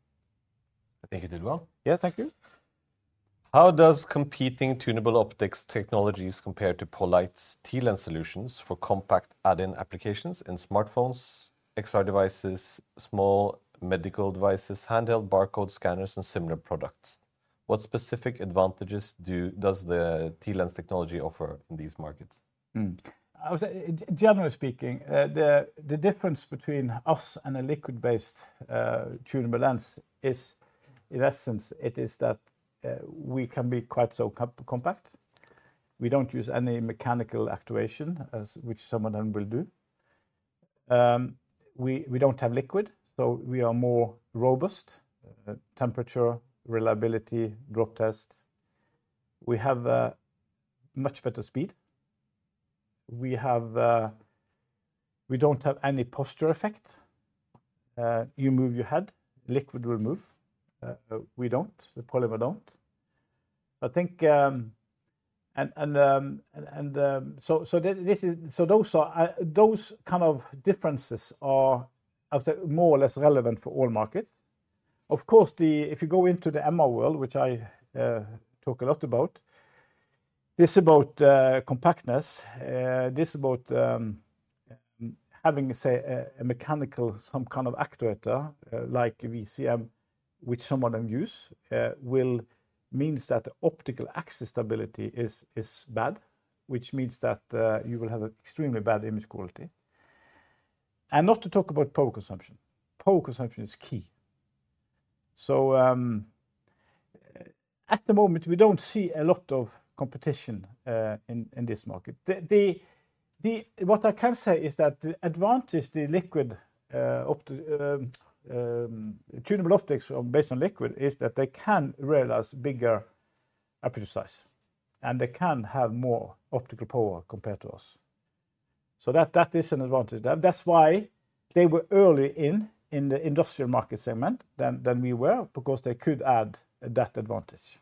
I think you did well. Yeah, thank you. How does competing tunable optics technologies compare to poLight's TLens solutions for compact add-in applications in smartphones, XR devices, small medical devices, handheld barcode scanners, and similar products? What specific advantages does the TLens technology offer in these markets? Generally speaking, the difference between us and a liquid-based tunable lens is, in essence, it is that we can be quite so compact. We don't use any mechanical actuation, which someone will do. We don't have liquid, so we are more robust. Temperature, reliability, drop test. We have much better speed. We don't have any posture effect. You move your head, liquid will move. We don't. The polymer don't. I think, and so those kind of differences are more or less relevant for all markets. Of course, if you go into the MR world, which I talk a lot about, this is about compactness. This is about having, say, a mechanical, some kind of actuator like VCM, which some of them use, will mean that the optical axis stability is bad, which means that you will have extremely bad image quality, and not to talk about power consumption. Power consumption is key. So at the moment, we don't see a lot of competition in this market. What I can say is that the advantage, the liquid tunable optics based on liquid, is that they can realize bigger aperture size, and they can have more optical power compared to us. So that is an advantage. That's why they were early in the industrial market segment than we were, because they could add that advantage.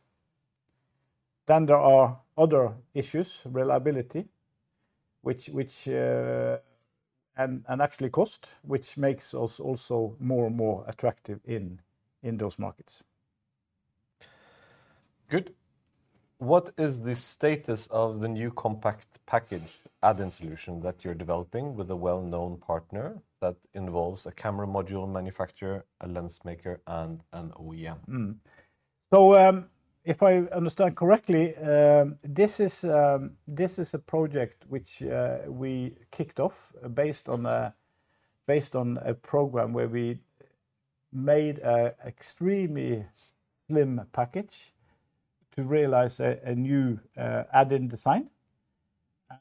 Then there are other issues, reliability, and actually cost, which makes us also more and more attractive in those markets. Good. What is the status of the new compact package add-in solution that you're developing with a well-known partner that involves a camera module manufacturer, a lens maker, and an OEM? So if I understand correctly, this is a project which we kicked off based on a program where we made an extremely slim package to realize a new add-in design.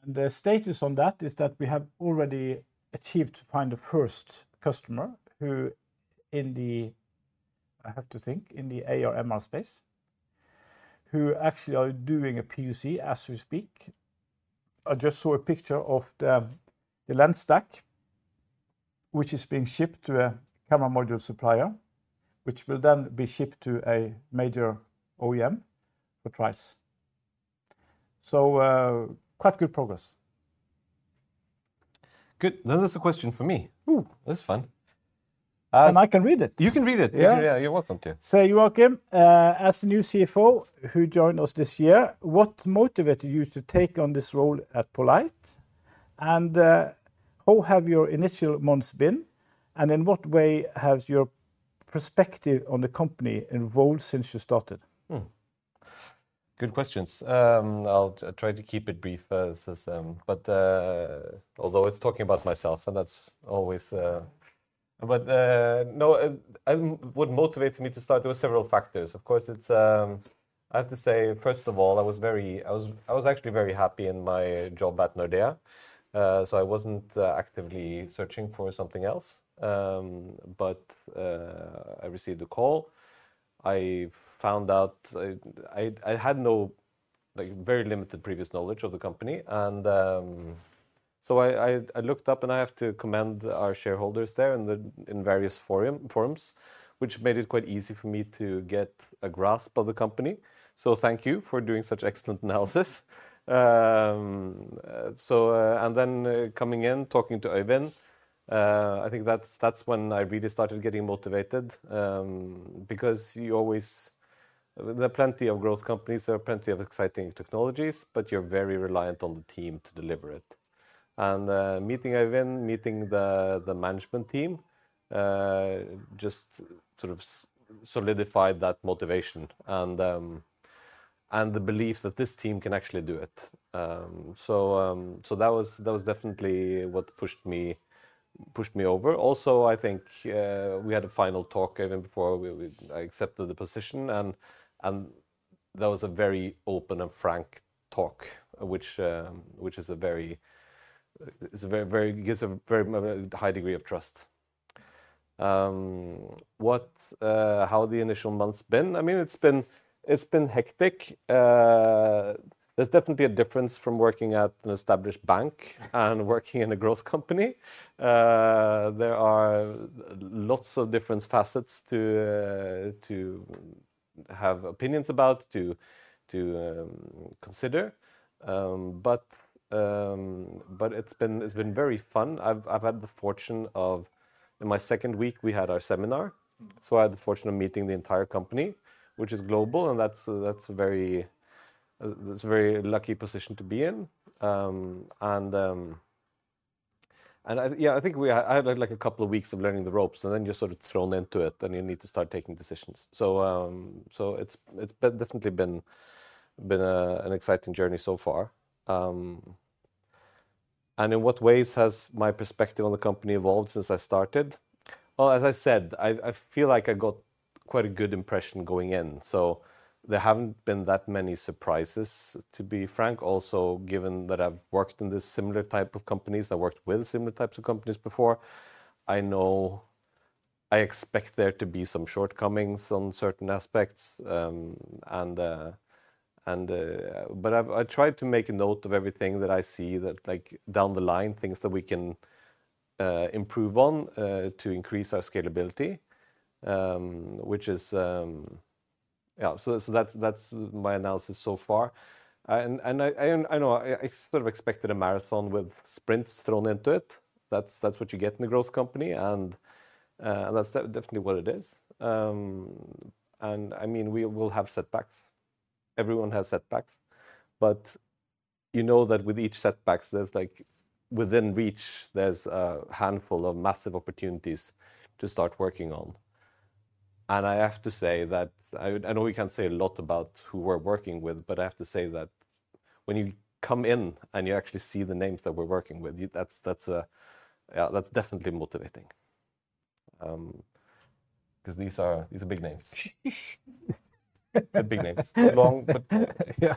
The status on that is that we have already achieved to find the first customer who, I have to think, in the AR/MR space, who actually are doing a POC as we speak. I just saw a picture of the lens stack, which is being shipped to a camera module supplier, which will then be shipped to a major OEM for trials. Quite good progress. Good. Then there's a question for me. Ooh, that's fun. I can read it. You can read it. Yeah, yeah, yeah, you're welcome to. Joakim, as the new CFO who joined us this year, what motivated you to take on this role at poLight? How have your initial months been? In what way has your perspective on the company evolved since you started? Good questions. I'll try to keep it brief. What motivated me to start? There were several factors. Of course, I have to say, first of all, I was actually very happy in my job at Nordea, so I wasn't actively searching for something else, but I received a call. I found out I had very limited previous knowledge of the company. And so I looked up, and I have to commend our shareholders there in various forums, which made it quite easy for me to get a grasp of the company, so thank you for doing such excellent analysis. And then coming in, talking to Øyvind, I think that's when I really started getting motivated, because there are plenty of growth companies, there are plenty of exciting technologies, but you're very reliant on the team to deliver it. And meeting Øyvind, meeting the management team just sort of solidified that motivation and the belief that this team can actually do it. So that was definitely what pushed me over. Also, I think we had a final talk even before I accepted the position, and that was a very open and frank talk, which is a very high degree of trust. How have the initial months been? I mean, it's been hectic. There's definitely a difference from working at an established bank and working in a growth company. There are lots of different facets to have opinions about, to consider. But it's been very fun. I've had the fortune of, in my second week, we had our seminar. So I had the fortune of meeting the entire company, which is global, and that's a very lucky position to be in. Yeah, I think I had like a couple of weeks of learning the ropes, and then you're sort of thrown into it, and you need to start taking decisions. So it's definitely been an exciting journey so far. And in what ways has my perspective on the company evolved since I started? Well, as I said, I feel like I got quite a good impression going in. So there haven't been that many surprises, to be frank. Also, given that I've worked in this similar type of companies, I've worked with similar types of companies before, I know I expect there to be some shortcomings on certain aspects. But I tried to make a note of everything that I see that down the line, things that we can improve on to increase our scalability, which is, yeah, so that's my analysis so far. I sort of expected a marathon with sprints thrown into it. That's what you get in a growth company, and that's definitely what it is. I mean, we will have setbacks. Everyone has setbacks. You know that with each setback, within reach, there's a handful of massive opportunities to start working on. I have to say that I know we can't say a lot about who we're working with, but I have to say that when you come in and you actually see the names that we're working with, that's definitely motivating. Because these are big names. Big names. Too long, but yeah.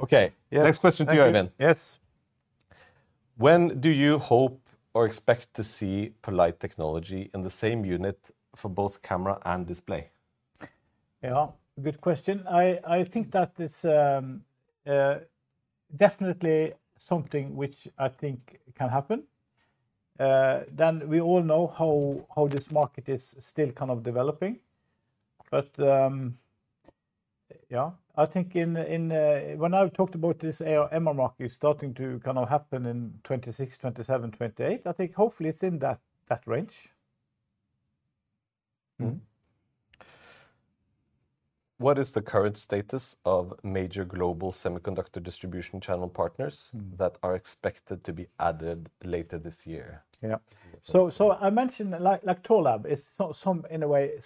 Okay. Next question to you, Øyvind. Yes. When do you hope or expect to see poLight in the same unit for both camera and display? Yeah, good question. I think that is definitely something which I think can happen. Then we all know how this market is still kind of developing. But yeah, I think when I talked about this AR/MR market, it's starting to kind of happen in 2026, 2027, 2028. I think hopefully it's in that range. What is the current status of major global semiconductor distribution channel partners that are expected to be added later this year? Yeah. So I mentioned Thorlabs is in a way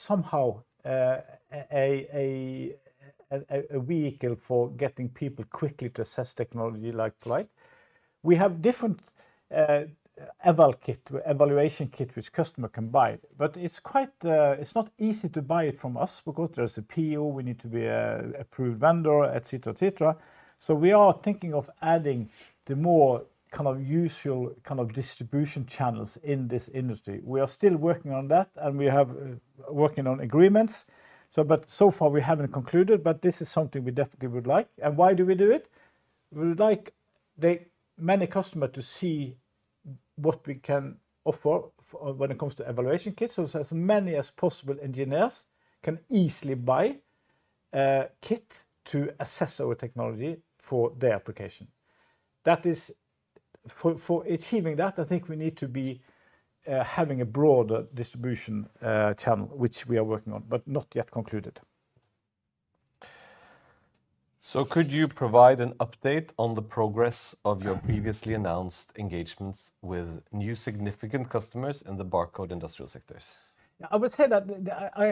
somehow a vehicle for getting people quickly to assess technology like poLight. We have different eval kits, evaluation kits which customers can buy. But it's not easy to buy it from us because there's a PO, we need to be an approved vendor, etc., etc. So we are thinking of adding the more kind of usual kind of distribution channels in this industry. We are still working on that and we are working on agreements. But so far we haven't concluded, but this is something we definitely would like. And why do we do it? We would like many customers to see what we can offer when it comes to evaluation kits. So as many as possible engineers can easily buy a kit to assess our technology for their application. For achieving that, I think we need to be having a broader distribution channel, which we are working on, but not yet concluded. So could you provide an update on the progress of your previously announced engagements with new significant customers in the barcode industrial sectors? I would say that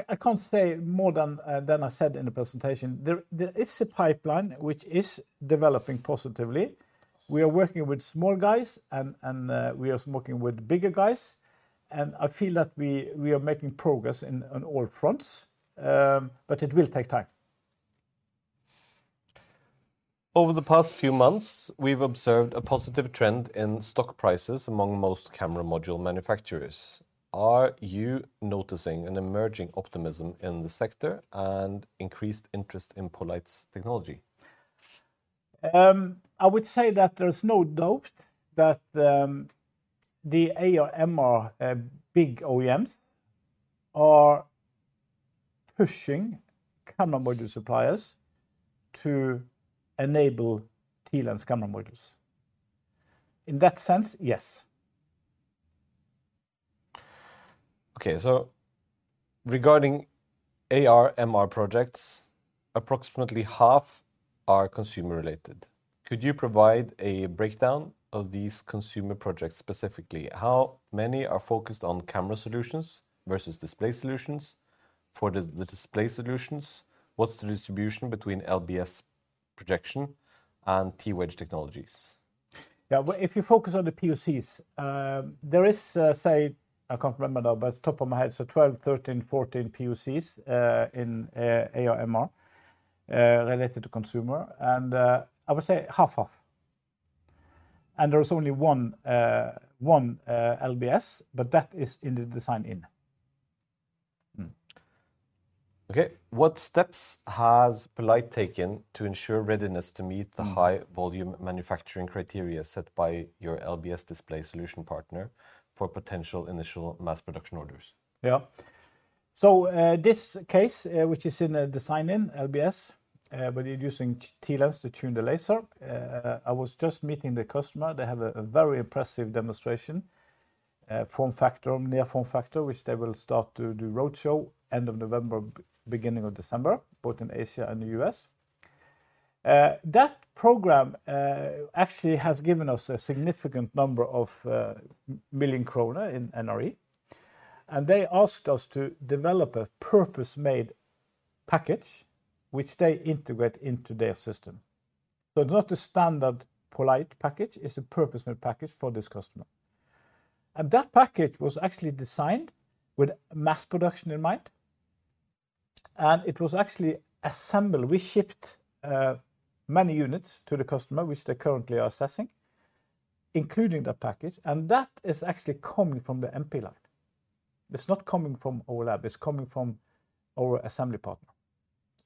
I can't say more than I said in the presentation. There is a pipeline which is developing positively. We are working with small guys and we are working with bigger guys. I feel that we are making progress on all fronts, but it will take time. Over the past few months, we've observed a positive trend in stock prices among most camera module manufacturers. Are you noticing an emerging optimism in the sector and increased interest in poLight's technology? I would say that there's no doubt that the AR/MR big OEMs are pushing camera module suppliers to enable TLens camera modules. In that sense, yes. Okay, so regarding AR/MR projects, approximately half are consumer-related. Could you provide a breakdown of these consumer projects specifically? How many are focused on camera solutions versus display solutions? For the display solutions, what's the distribution between LBS projection and TWedge technologies? Yeah, if you focus on the POCs, there is, say, I can't remember now, but top of my head, so 12, 13, 14 POCs in AR/MR related to consumer. I would say half, half. There is only one LBS, but that is in the design-in. Okay, what steps has poLight taken to ensure readiness to meet the high volume manufacturing criteria set by your LBS display solution partner for potential initial mass production orders? Yeah, so this case, which is in a design-in LBS, but using TLens to tune the laser, I was just meeting the customer. They have a very impressive demonstration, near form factor, which they will start to do roadshow end of November, beginning of December, both in Asia and the US. That program actually has given us a significant number of million kroner in NRE. And they asked us to develop a purpose-made package, which they integrate into their system. So it's not a standard poLight package, it's a purpose-made package for this customer. That package was actually designed with mass production in mind. It was actually assembled. We shipped many units to the customer, which they currently are assessing, including that package. That is actually coming from the MP line. It's not coming from our lab, it's coming from our assembly partner.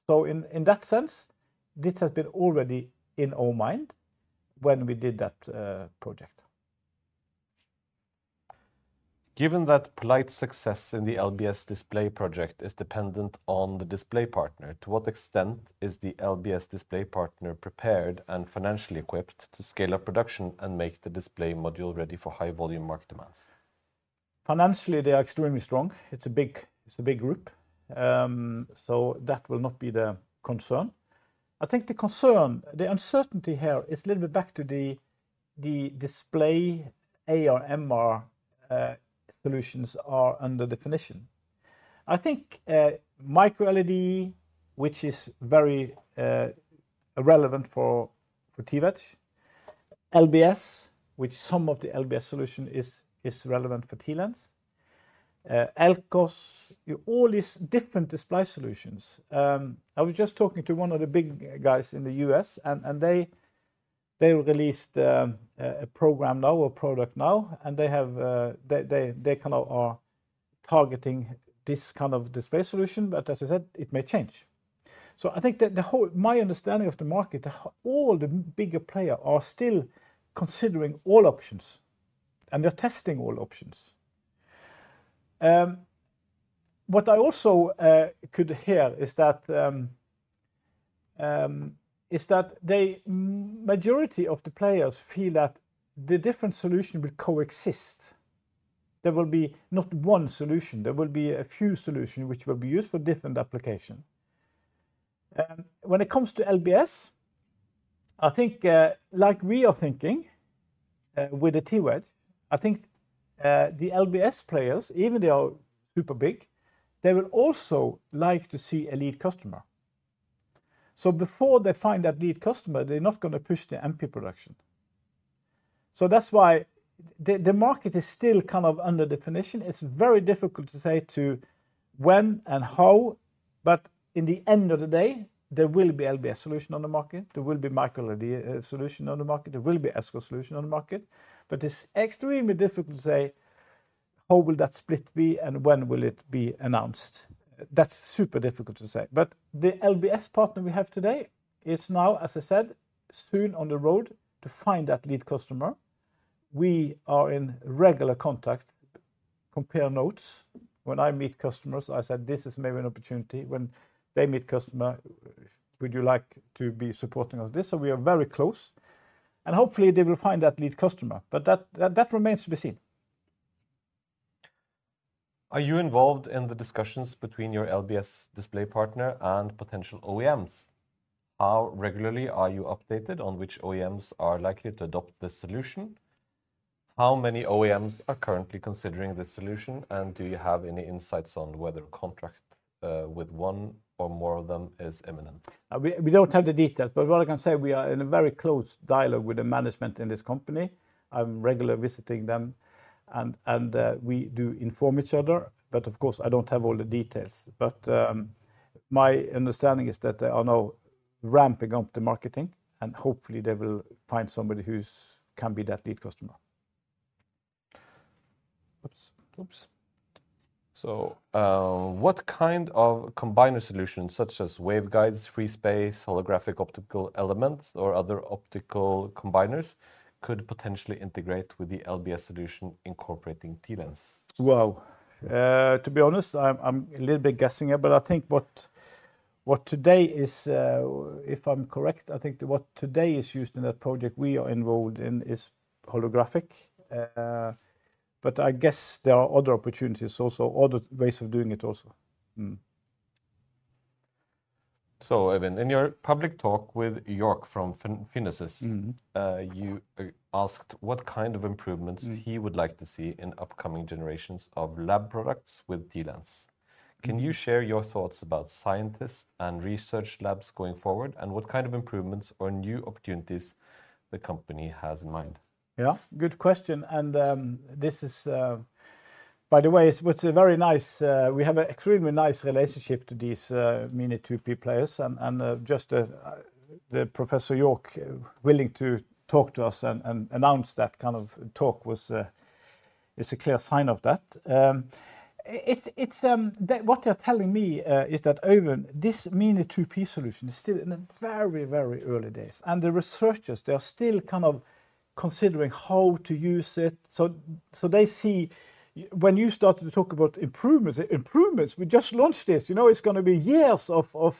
So in that sense, this has been already in our mind when we did that project. Given that poLight's success in the LBS display project is dependent on the display partner, to what extent is the LBS display partner prepared and financially equipped to scale up production and make the display module ready for high volume market demands? Financially, they are extremely strong. It's a big group. So that will not be the concern. I think the concern, the uncertainty here, it's a little bit back to the display. AR/MR solutions are under definition. I think micro-LED, which is very relevant for TWedge. LBS, which some of the LBS solution is relevant for TLens. LCOS, all these different display solutions. I was just talking to one of the big guys in the US, and they released a program now, a product now, and they kind of are targeting this kind of display solution. But as I said, it may change. So I think that my understanding of the market, all the bigger players are still considering all options, and they're testing all options. What I also could hear is that the majority of the players feel that the different solutions will coexist. There will be not one solution, there will be a few solutions which will be used for different applications. When it comes to LBS, I think like we are thinking with the TWedge, I think the LBS players, even though they are super big, they will also like to see a lead customer. So before they find that lead customer, they're not going to push the MP production. So that's why the market is still kind of under definition. It's very difficult to say to when and how, but in the end of the day, there will be LBS solutions on the market. There will be micro-LED solutions on the market. There will be LCOS solutions on the market. But it's extremely difficult to say how will that split be and when will it be announced. That's super difficult to say. But the LBS partner we have today is now, as I said, soon on the road to find that lead customer. We are in regular contact, compare notes. When I meet customers, I said, this is maybe an opportunity. When they meet customer, would you like to be supporting us on this? So we are very close, and hopefully they will find that lead customer, but that remains to be seen. Are you involved in the discussions between your LBS display partner and potential OEMs? How regularly are you updated on which OEMs are likely to adopt this solution? How many OEMs are currently considering this solution, and do you have any insights on whether a contract with one or more of them is imminent? We don't have the details, but what I can say, we are in a very close dialogue with the management in this company. I'm regularly visiting them, and we do inform each other. But of course, I don't have all the details. But my understanding is that they are now ramping up the marketing, and hopefully they will find somebody who can be that lead customer. Oops. So what kind of combiner solutions such as waveguides, free space, holographic optical elements, or other optical combiners could potentially integrate with the LBS solution incorporating TLens? Well, to be honest, I'm a little bit guessing it, but I think, if I'm correct, what today is used in that project we are involved in is holographic. But I guess there are other opportunities also, other ways of doing it also. So Øyvind, in your public talk with York from PhenoSys, you asked what kind of improvements he would like to see in upcoming generations of lab products with TLens. Can you share your thoughts about scientists and research labs going forward, and what kind of improvements or new opportunities the company has in mind? Yeah, good question. And this is, by the way, it's a very nice, we have an extremely nice relationship to these Mini2P players. And just the Professor Moser willing to talk to us and announce that kind of talk is a clear sign of that. What they're telling me is that, Øyvind, this Mini2P solution is still in the very, very early days. And the researchers, they're still kind of considering how to use it. So they see, when you start to talk about improvements, improvements, we just launched this. You know, it's going to be years of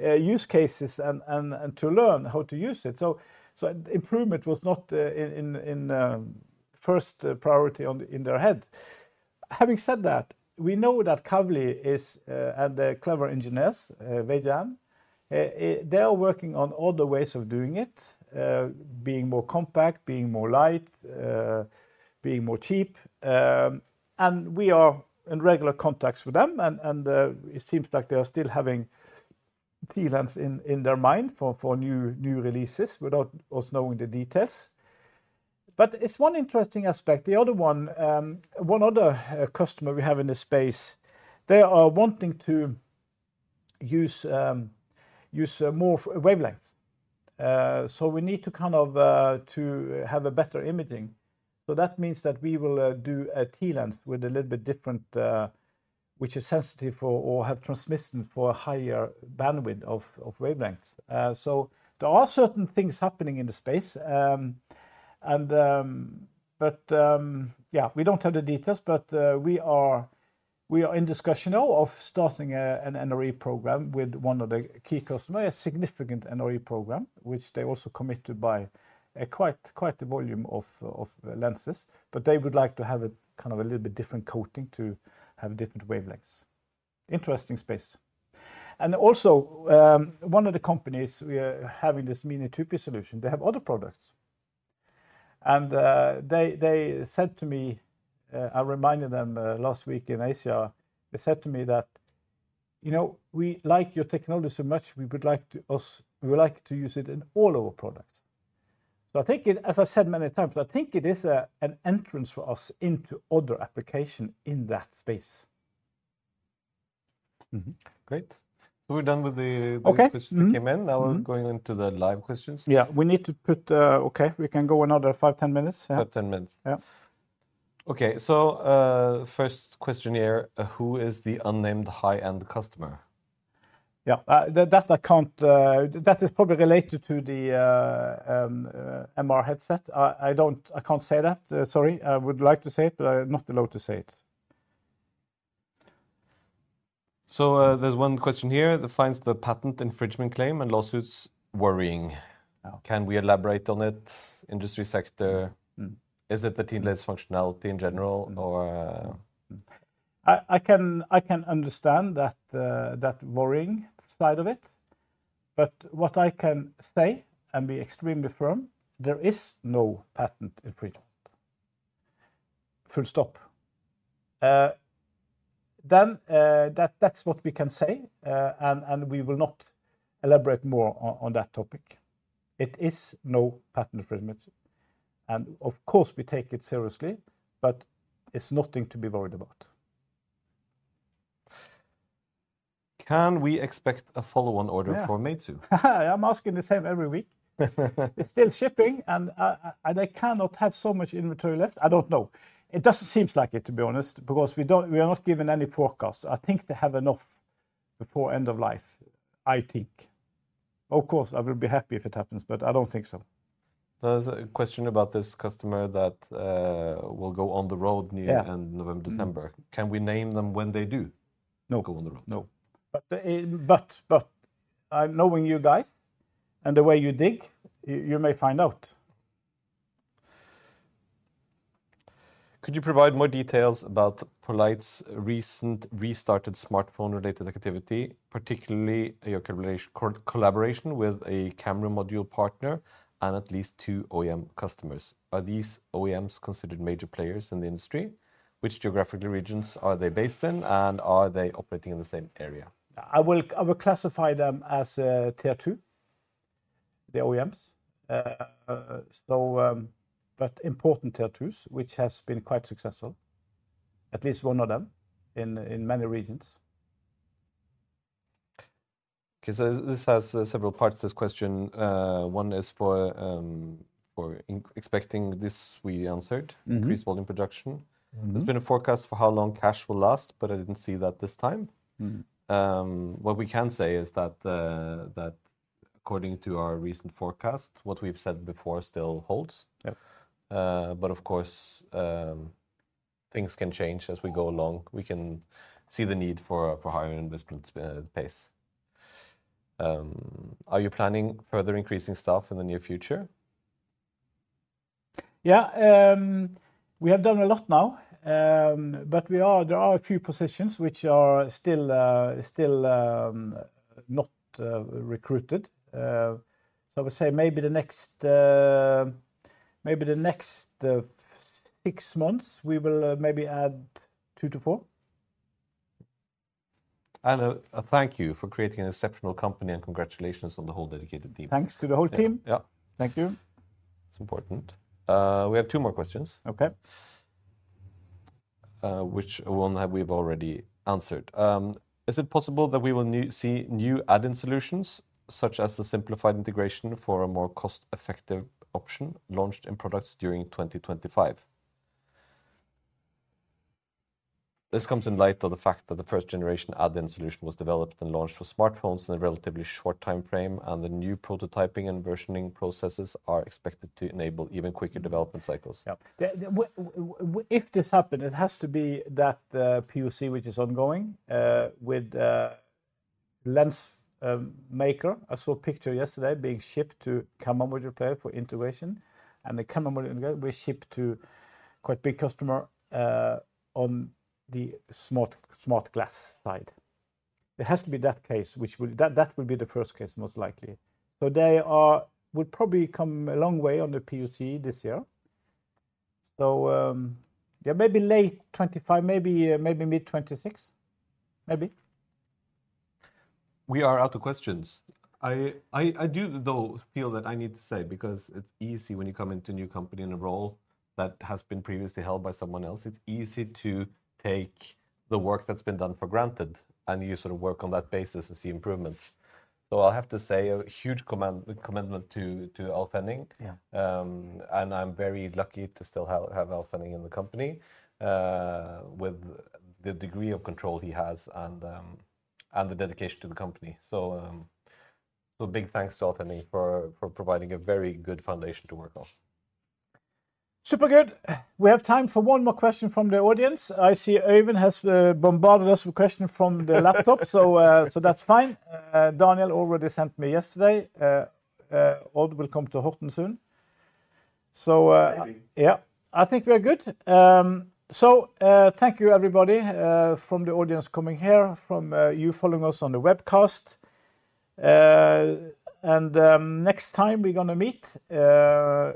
use cases and to learn how to use it. So improvement was not in first priority in their head. Having said that, we know that Kavli and the clever engineers, Weijian, they are working on other ways of doing it, being more compact, being more light, being more cheap. And we are in regular contacts with them, and it seems like they are still having TLens in their mind for new releases without us knowing the details. But it's one interesting aspect. The other one, one other customer we have in the space, they are wanting to use more wavelengths. So we need to kind of have better imaging. So that means that we will do a TLens with a little bit different, which is sensitive or has transmission for a higher bandwidth of wavelengths. So there are certain things happening in the space. But yeah, we don't have the details, but we are in discussion now of starting an NRE program with one of the key customers, a significant NRE program, which they also committed by quite a volume of lenses. But they would like to have a kind of a little bit different coating to have different wavelengths. Interesting space. And also, one of the companies we are having this Mini2P solution, they have other products. And they said to me, I reminded them last week in Asia, they said to me that, you know, we like your technology so much, we would like to use it in all our products. So I think it, as I said many times, I think it is an entrance for us into other applications in that space. Great. So we're done with the questions that came in. Now we're going into the live questions. Yeah, we need to put, okay, we can go another five-10 minutes. Five-10 minutes. Okay, so first question here, who is the unnamed high-end customer? Yeah, that I can't, that is probably related to the MR headset. I can't say that. Sorry, I would like to say it, but I'm not allowed to say it. So there's one question here that finds the patent infringement claim and lawsuits worrying. Can we elaborate on it? Industry sector? Is it the TLens functionality in general or? I can understand that worrying side of it. But what I can say and be extremely firm, there is no patent infringement. Full stop. Then that's what we can say, and we will not elaborate more on that topic. It is no patent infringement. And of course, we take it seriously, but it's nothing to be worried about. Can we expect a follow-on order for Meizu? I'm asking the same every week. It's still shipping, and they cannot have so much inventory left. I don't know. It doesn't seem like it, to be honest, because we are not given any forecasts. I think they have enough before end of life, I think. Of course, I will be happy if it happens, but I don't think so. There's a question about this customer that will go on the road near end November, December. Can we name them when they do go on the road? No. But knowing you guys and the way you dig, you may find out. Could you provide more details about poLight's recent restarted smartphone-related activity, particularly your collaboration with a camera module partner and at least two OEM customers? Are these OEMs considered major players in the industry? Which geographical regions are they based in, and are they operating in the same area? I will classify them as tier two, the OEMs, but important tier twos, which has been quite successful, at least one of them in many regions. Okay, so this has several parts to this question. One is for expecting this we answered, increased volume production. There's been a forecast for how long cash will last, but I didn't see that this time. What we can say is that according to our recent forecast, what we've said before still holds, but of course, things can change as we go along. We can see the need for higher investment pace. Are you planning further increasing staff in the near future? Yeah, we have done a lot now, but there are a few positions which are still not recruited. So I would say maybe the next six months, we will maybe add two to four. And a thank you for creating an exceptional company and congratulations on the whole dedicated team. Thanks to the whole team. Yeah, thank you. It's important. We have two more questions. Okay. Which one have we already answered? Is it possible that we will see new add-in solutions such as the simplified integration for a more cost-effective option launched in products during 2025? This comes in light of the fact that the first-generation add-in solution was developed and launched for smartphones in a relatively short time frame, and the new prototyping and versioning processes are expected to enable even quicker development cycles. Yeah, if this happens, it has to be that POC, which is ongoing with lens maker. I saw a picture yesterday being shipped to camera module player for integration. The camera module prototype was shipped to quite a big customer on the smart glass side. It has to be that case, which will, that will be the first case most likely. So they would probably come a long way on the POC this year. So yeah, maybe late 2025, maybe mid-2026, maybe. We are out of questions. I do, though, feel that I need to say, because it's easy when you come into a new company in a role that has been previously held by someone else. It's easy to take the work that's been done for granted and you sort of work on that basis and see improvements. So I'll have to say a huge commendation to Alf Henning. And I'm very lucky to still have Alf Henning in the company with the degree of control he has and the dedication to the company. So big thanks to Alf Henning for providing a very good foundation to work on. Super good. We have time for one more question from the audience. I see Øyvind has bombarded us with questions from the laptop, so that's fine. Daniel already sent me yesterday. All will come to Horten soon. So yeah, I think we're good. So thank you, everybody, from the audience coming here, from you following us on the webcast. And next time we're going to meet in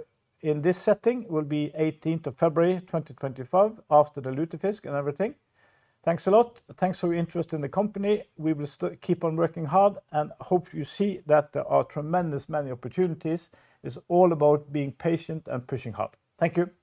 this setting will be 18th of February, 2025, after the lutefisk and everything. Thanks a lot. Thanks for your interest in the company. We will keep on working hard and hope you see that there are tremendous many opportunities. It's all about being patient and pushing hard. Thank you.